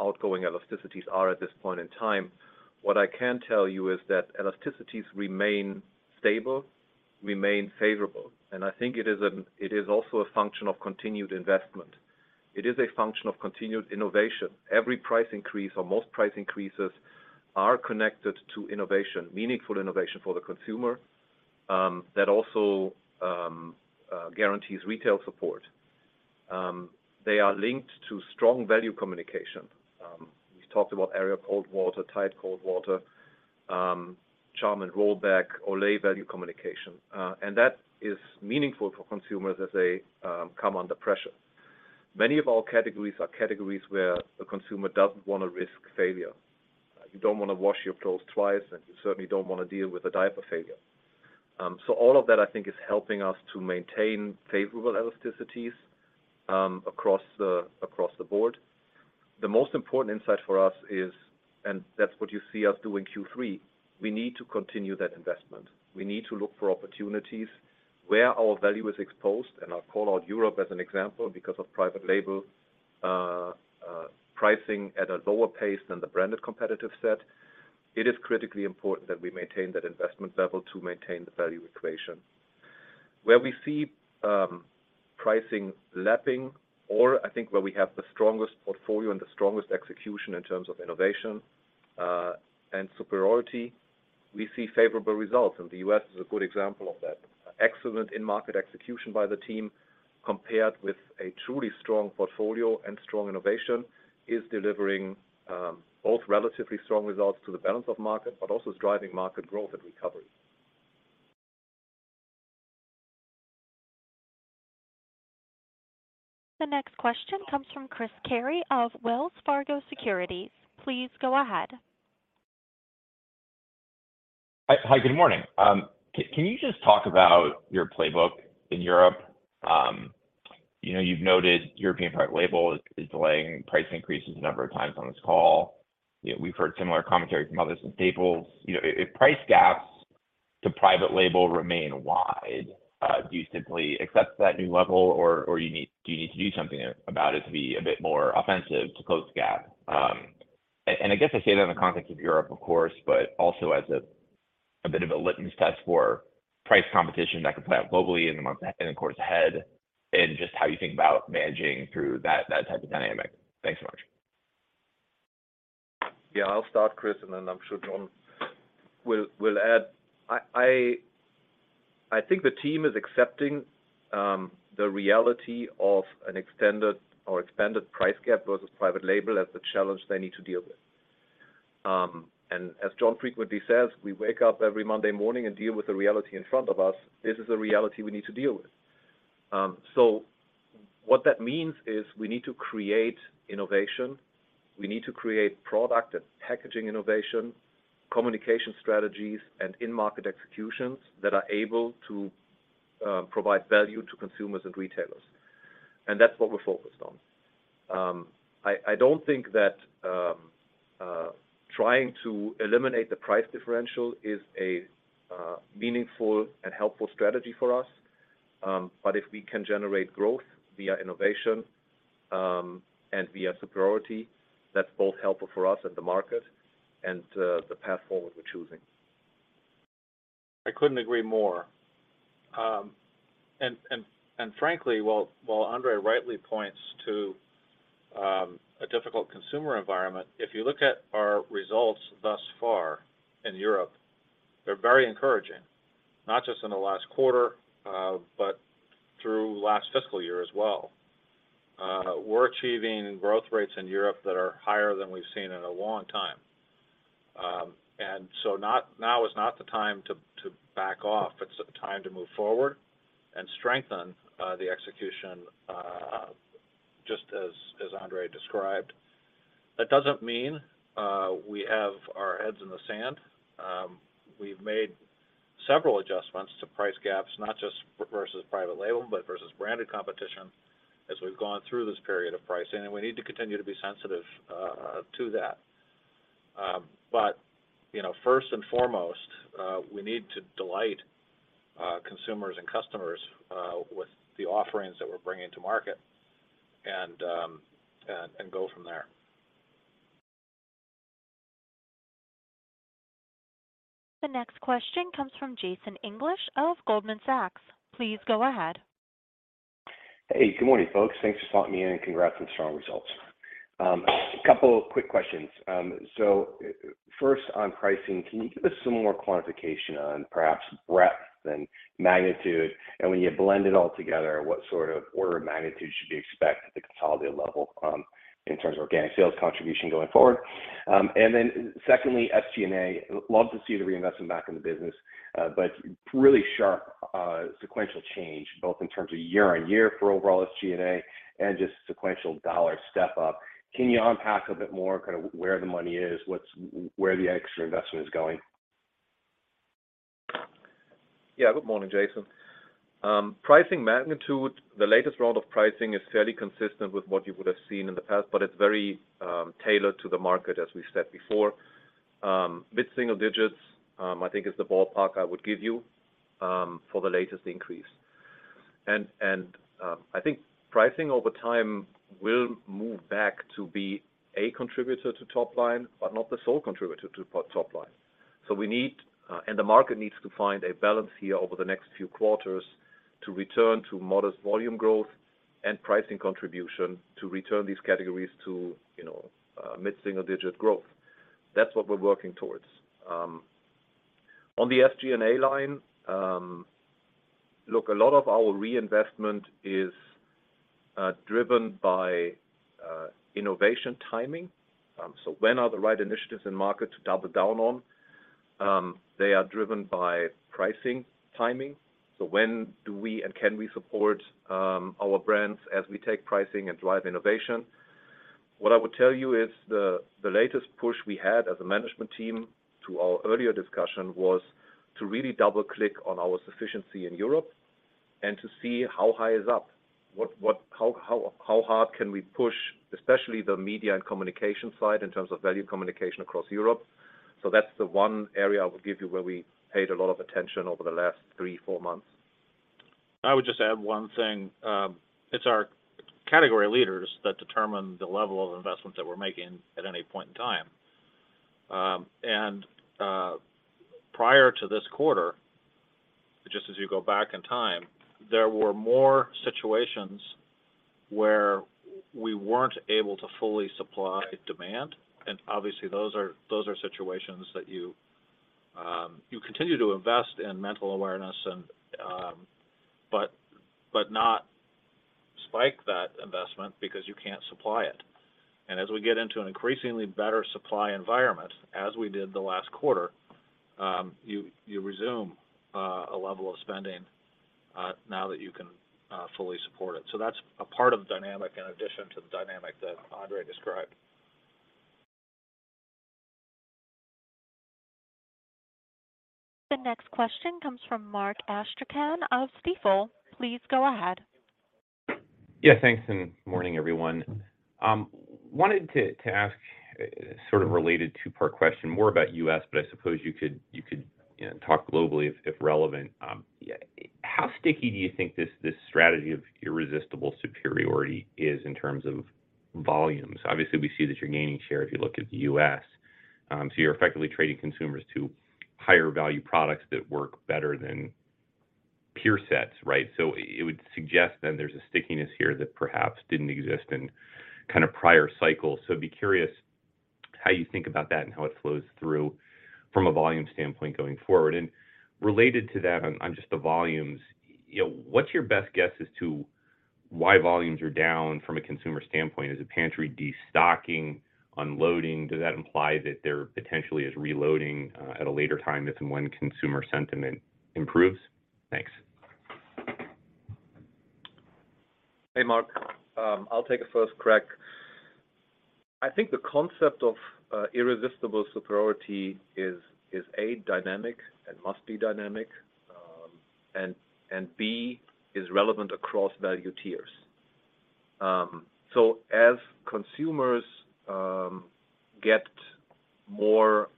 outgoing elasticities are at this point in time. What I can tell you is that elasticities remain stable, remain favorable, and I think it is also a function of continued investment. It is a function of continued innovation. Every price increase or most price increases are connected to innovation, meaningful innovation for the consumer, that also guarantees retail support. They are linked to strong value communication. We talked about Ariel Cold Water, Tide Cold Water, Charmin Rollback, Olay value communication. That is meaningful for consumers as they come under pressure. Many of our categories are categories where the consumer doesn't wanna risk failure. You don't wanna wash your clothes twice, you certainly don't wanna deal with a diaper failure. All of that, I think, is helping us to maintain favorable elasticities across the board. The most important insight for us is, that's what you see us do in Q3, we need to continue that investment. We need to look for opportunities where our value is exposed, I'll call out Europe as an example because of private label pricing at a lower pace than the branded competitive set. It is critically important that we maintain that investment level to maintain the value equation. Where we see pricing lapping or I think where we have the strongest portfolio and the strongest execution in terms of innovation, and superiority, we see favorable results. The U.S. is a good example of that. Excellent in-market execution by the team compared with a truly strong portfolio and strong innovation is delivering both relatively strong results to the balance of market but also is driving market growth and recovery. The next question comes from Chris Carey of Wells Fargo Securities. Please go ahead. Hi, good morning. Can you just talk about your playbook in Europe? You know, you've noted European private label is delaying price increases a number of times on this call. You know, we've heard similar commentary from others in staples. You know, if price gaps to private label remain wide, do you simply accept that new level, or do you need to do something about it to be a bit more offensive to close the gap? I guess I say that in the context of Europe, of course, but also as a bit of a litmus test for price competition that could play out globally in the months and of course ahead, and just how you think about managing through that type of dynamic. Thanks so much. Yeah, I'll start, Chris, and then I'm sure Jon will add. I think the team is accepting the reality of an extended or expanded price gap versus private label as the challenge they need to deal with. As Jon frequently says, we wake up every Monday morning and deal with the reality in front of us. This is a reality we need to deal with. What that means is we need to create innovation. We need to create product and packaging innovation, communication strategies, and in-market executions that are able to provide value to consumers and retailers. That's what we're focused on. I don't think that trying to eliminate the price differential is a meaningful and helpful strategy for us. If we can generate growth via innovation, and via superiority, that's both helpful for us and the market and the path forward we're choosing. I couldn't agree more. Frankly, while Andre rightly points to a difficult consumer environment, if you look at our results thus far in Europe, they're very encouraging, not just in the last quarter, but through last fiscal year as well. We're achieving growth rates in Europe that are higher than we've seen in a long time. Now is not the time to back off. It's a time to move forward and strengthen the execution, just as Andre described. That doesn't mean we have our heads in the sand. We've made several adjustments to price gaps, not just versus private label, but versus branded competition as we've gone through this period of pricing, and we need to continue to be sensitive to that. You know, first and foremost, we need to delight consumers and customers with the offerings that we're bringing to market and go from there. The next question comes from Jason English of Goldman Sachs. Please go ahead. Hey, good morning, folks. Thanks for talking me in, and congrats on strong results. A couple of quick questions. First on pricing, can you give us some more quantification on perhaps breadth and magnitude? When you blend it all together, what sort of order of magnitude should we expect at the consolidated level, in terms of organic sales contribution going forward? Secondly, SG&A. Love to see the reinvestment back in the business, but really sharp, sequential change, both in terms of year-on-year for overall SG&A and just sequential dollar step up. Can you unpack a bit more kind of where the money is, where the extra investment is going? Good morning, Jason. Pricing magnitude, the latest round of pricing is fairly consistent with what you would have seen in the past, but it's very tailored to the market, as we said before. Mid-single digits, I think is the ballpark I would give you for the latest increase. I think pricing over time will move back to be a contributor to top line, but not the sole contributor to top line. We need, and the market needs to find a balance here over the next few quarters to return to modest volume growth and pricing contribution to return these categories to, you know, mid-single digit growth. That's what we're working towards. On the SG&A line, look, a lot of our reinvestment is driven by innovation timing. When are the right initiatives in market to double down on? They are driven by pricing timing. When do we, and can we support our brands as we take pricing and drive innovation? What I would tell you is the latest push we had as a management team to our earlier discussion was to really double-click on our sufficiency in Europe and to see how high is up, how hard can we push, especially the media and communication side in terms of value communication across Europe. That's the one area I would give you where we paid a lot of attention over the last three, four months. I would just add one thing. It's our category leaders that determine the level of investments that we're making at any point in time. Prior to this quarter, just as you go back in time, there were more situations where we weren't able to fully supply demand. Obviously, those are situations that you continue to invest in mental awareness and but not spike that investment because you can't supply it. As we get into an increasingly better supply environment, as we did the last quarter, you resume a level of spending now that you can fully support it. That's a part of the dynamic in addition to the dynamic that Andre described. The next question comes from Mark Astrachan of Stifel. Please go ahead. Thanks. Morning, everyone. Wanted to ask sort of related two-part question more about U.S., but I suppose you could, you know, talk globally if relevant. How sticky do you think this strategy of irresistible superiority is in terms of volumes? Obviously, we see that you're gaining share if you look at the U.S. You're effectively trading consumers to higher value products that work better than peer sets, right? It would suggest then there's a stickiness here that perhaps didn't exist in kind of prior cycles. I'd be curious how you think about that and how it flows through from a volume standpoint going forward. Related to that on just the volumes, you know, what's your best guess as to why volumes are down from a consumer standpoint? Is it pantry destocking, unloading? Does that imply that there potentially is reloading, at a later time if and when consumer sentiment improves? Thanks. Hey, Mark. I'll take a first crack. I think the concept of irresistible superiority is A, dynamic and must be dynamic, and B, is relevant across value tiers. As consumers get more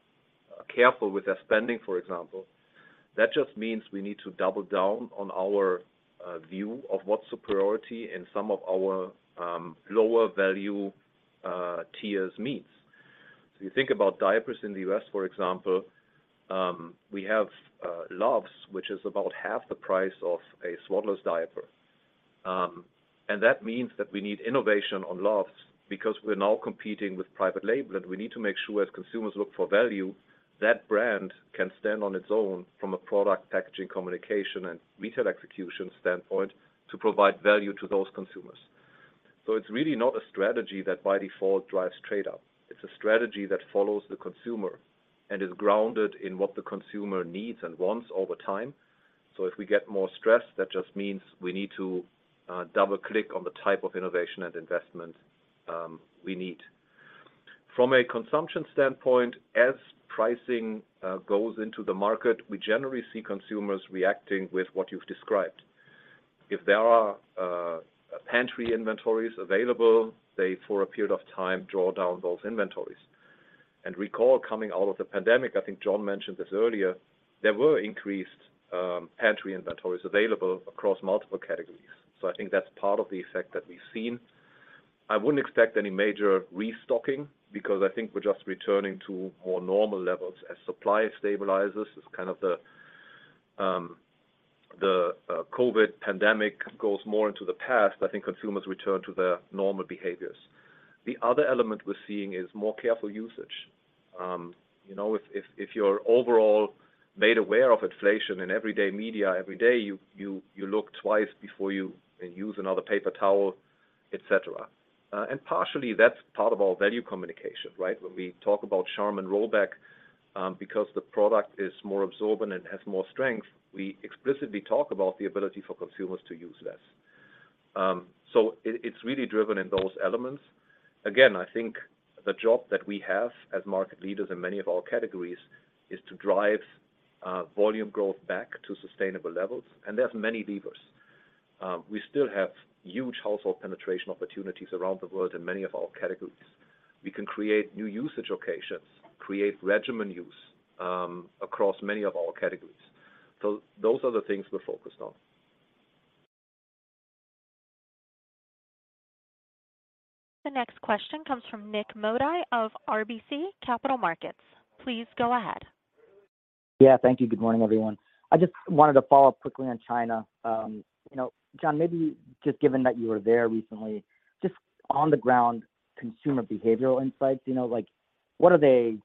careful with their spending, for example, that just means we need to double down on our view of what superiority in some of our lower value tiers means. You think about diapers in the U.S., for example, we have Luvs, which is about half the price of a Swaddlers diaper. That means that we need innovation on Luvs because we're now competing with private label, and we need to make sure as consumers look for value, that brand can stand on its own from a product, packaging, communication, and retail execution standpoint to provide value to those consumers. It's really not a strategy that by default drives trade-up. It's a strategy that follows the consumer and is grounded in what the consumer needs and wants over time. If we get more stressed, that just means we need to double-click on the type of innovation and investment we need. From a consumption standpoint, as pricing goes into the market, we generally see consumers reacting with what you've described. If there are pantry inventories available, they, for a period of time, draw down those inventories. Recall coming out of the pandemic, I think Jon mentioned this earlier, there were increased pantry inventories available across multiple categories. I think that's part of the effect that we've seen. I wouldn't expect any major restocking because I think we're just returning to more normal levels as supply stabilizes. As kind of the COVID pandemic goes more into the past, I think consumers return to their normal behaviors. The other element we're seeing is more careful usage. You know, if you're overall made aware of inflation in everyday media, every day, you look twice before you use another paper towel, et cetera. Partially that's part of our value communication, right? When we talk about Charmin rollback, because the product is more absorbent and has more strength, we explicitly talk about the ability for consumers to use less. It's really driven in those elements. Again, I think the job that we have as market leaders in many of our categories is to drive volume growth back to sustainable levels, and there's many levers. We still have huge household penetration opportunities around the world in many of our categories. We can create new usage occasions, create regimen use across many of our categories. Those are the things we're focused on. The next question comes from Nik Modi of RBC Capital Markets. Please go ahead. Yeah. Thank you. Good morning, everyone. I just wanted to follow up quickly on China. you know, Jon, maybe just given that you were there recently, just on the ground consumer behavioral insights, you know, like what are they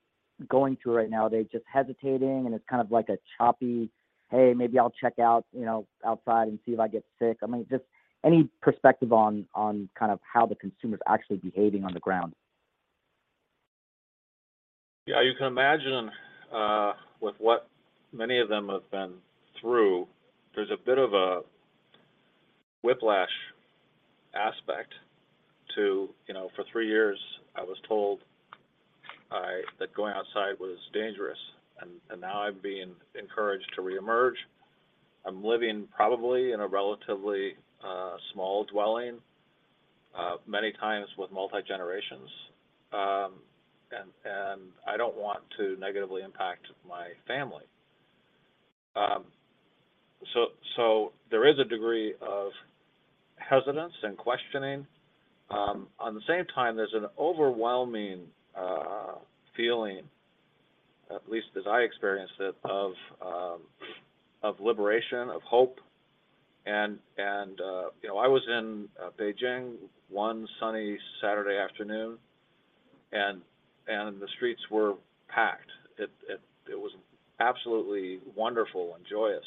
going through right now? Are they just hesitating, and it's kind of like a choppy, "Hey, maybe I'll check out, you know, outside and see if I get sick"? I mean, just any perspective on kind of how the consumer is actually behaving on the ground? Yeah. You can imagine, with what many of them have been through, there's a bit of a whiplash aspect to, you know, for three years I was told that going outside was dangerous, and now I'm being encouraged to reemerge. I'm living probably in a relatively, small dwelling, many times with multi-generations, and I don't want to negatively impact my family. There is a degree of hesitance and questioning. On the same time, there's an overwhelming, feeling, at least as I experienced it, of liberation, of hope. You know, I was in Beijing one sunny Saturday afternoon, and the streets were packed. It was absolutely wonderful and joyous.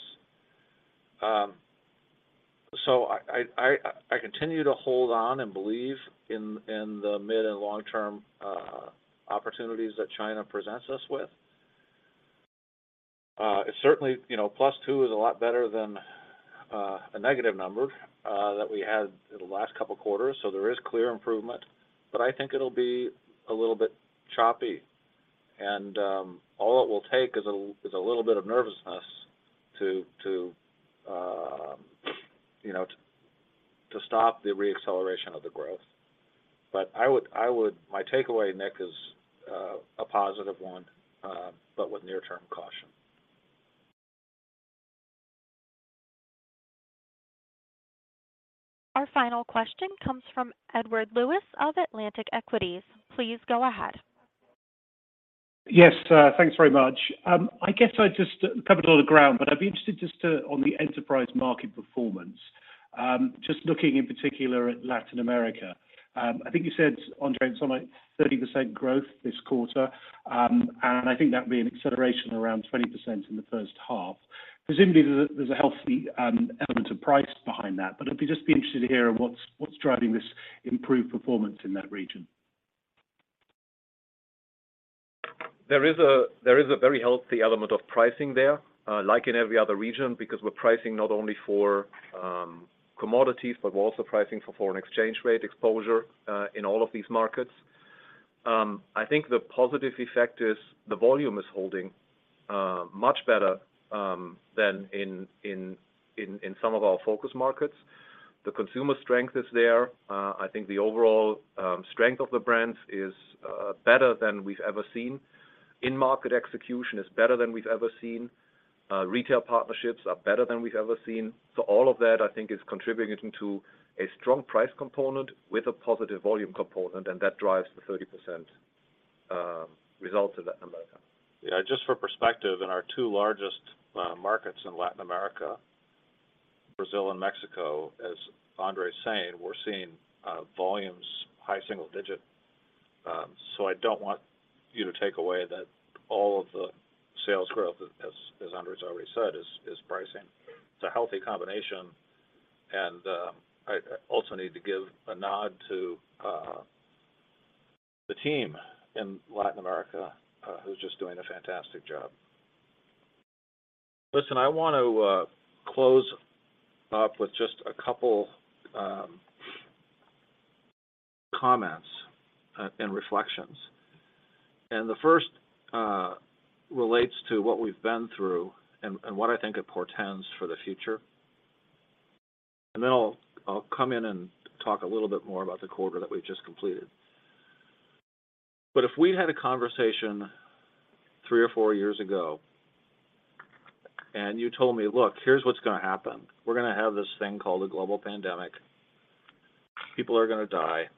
I continue to hold on and believe in the mid and long-term opportunities that China presents us with. It's certainly, you know, +2 is a lot better than a negative number that we had in the last couple quarters, there is clear improvement. I think it'll be a little bit choppy. All it will take is a little bit of nervousness to, you know, to stop the re-acceleration of the growth. My takeaway, Nik, is a positive one, but with near-term caution. Our final question comes from Edward Lewis of Atlantic Equities. Please go ahead. Yes, thanks very much. I guess I just covered all the ground, but I'd be interested on the enterprise market performance, just looking in particular at Latin America. I think you said, Andre, something like 30% growth this quarter. I think that'd be an acceleration around 20% in the first half. Presumably, there's a, there's a healthy element of price behind that, but I'd just be interested to hear what's driving this improved performance in that region. There is a very healthy element of pricing there, like in every other region, because we're pricing not only for commodities, but we're also pricing for foreign exchange rate exposure in all of these markets. I think the positive effect is the volume is holding much better than in some of our focus markets. The consumer strength is there. I think the overall strength of the brands is better than we've ever seen. In-market execution is better than we've ever seen. Retail partnerships are better than we've ever seen. All of that, I think, is contributing to a strong price component with a positive volume component, and that drives the 30% result in Latin America. Yeah, just for perspective, in our two largest markets in Latin America, Brazil and Mexico, as Andre is saying, we're seeing volumes high single digit. I don't want you to take away that all of the sales growth, as Andre has already said, is pricing. It's a healthy combination, and I also need to give a nod to the team in Latin America, who's just doing a fantastic job. Listen, I want to close up with just a couple comments and reflections. The first relates to what we've been through and what I think it portends for the future. Then I'll come in and talk a little bit more about the quarter that we've just completed. If we had a conversation three or four years ago, and you told me, "Look, here's what's gonna happen. We're gonna have this thing called a global pandemic. People are gonna die.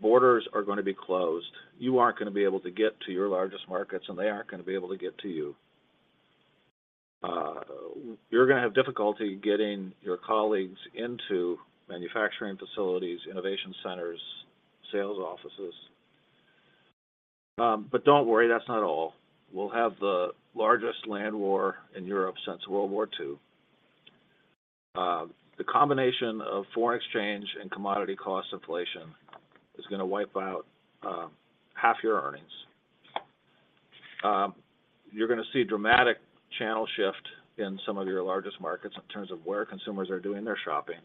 Borders are gonna be closed. You aren't gonna be able to get to your largest markets, and they aren't gonna be able to get to you. You're gonna have difficulty getting your colleagues into manufacturing facilities, innovation centers, sales offices. Don't worry, that's not all. We'll have the largest land war in Europe since World War II. The combination of foreign exchange and commodity cost inflation is gonna wipe out half your earnings. You're gonna see dramatic channel shift in some of your largest markets in terms of where consumers are doing their shopping.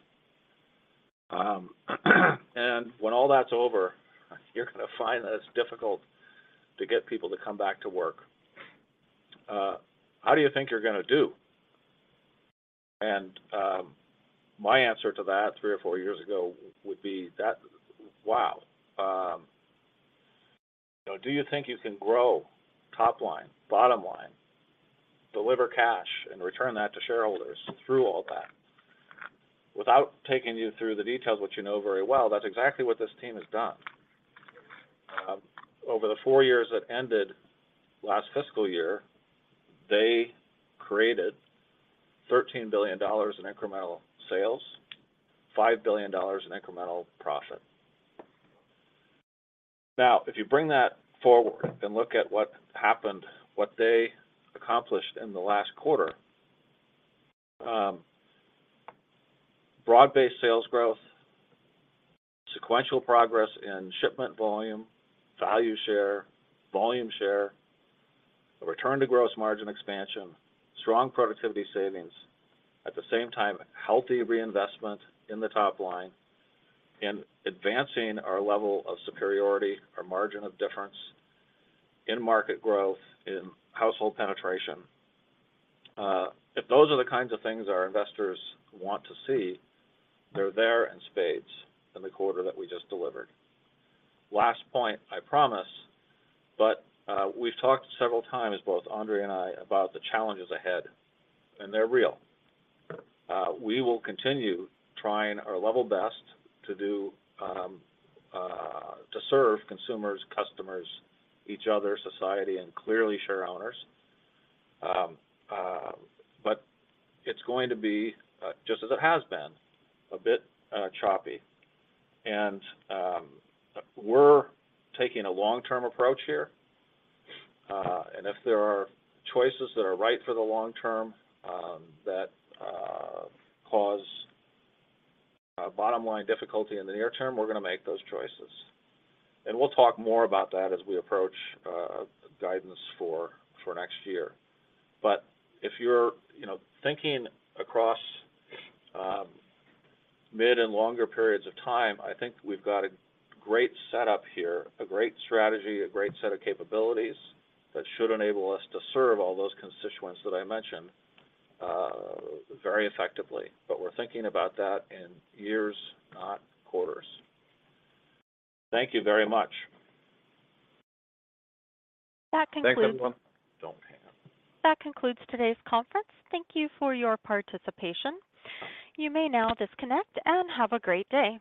When all that's over, you're gonna find that it's difficult to get people to come back to work. How do you think you're gonna do? My answer to that three or four years ago would be that, "Wow." You know, do you think you can grow top line, bottom line, deliver cash and return that to shareholders through all that? Without taking you through the details, which you know very well, that's exactly what this team has done. Over the four years that ended last fiscal year, they created $13 billion in incremental sales, $5 billion in incremental profit. If you bring that forward and look at what happened, what they accomplished in the last quarter, broad-based sales growth, sequential progress in shipment volume, value share, volume share, a return to gross margin expansion, strong productivity savings. At the same time, healthy reinvestment in the top line in advancing our level of superiority, our margin of difference in market growth, in household penetration. If those are the kinds of things our investors want to see, they're there in spades in the quarter that we just delivered. Last point, I promise, we've talked several times, both Andre and I, about the challenges ahead, and they're real. We will continue trying our level best to do to serve consumers, customers, each other, society and clearly shareowners. It's going to be just as it has been, a bit choppy. We're taking a long-term approach here. If there are choices that are right for the long term, that cause bottom line difficulty in the near term, we're gonna make those choices. We'll talk more about that as we approach guidance for next year. If you're, you know, thinking across mid and longer periods of time, I think we've got a great setup here, a great strategy, a great set of capabilities that should enable us to serve all those constituents that I mentioned very effectively. We're thinking about that in years, not quarters. Thank you very much. That concludes. Thanks, everyone. Don't have. That concludes today's conference. Thank you for your participation. You may now disconnect and have a great day.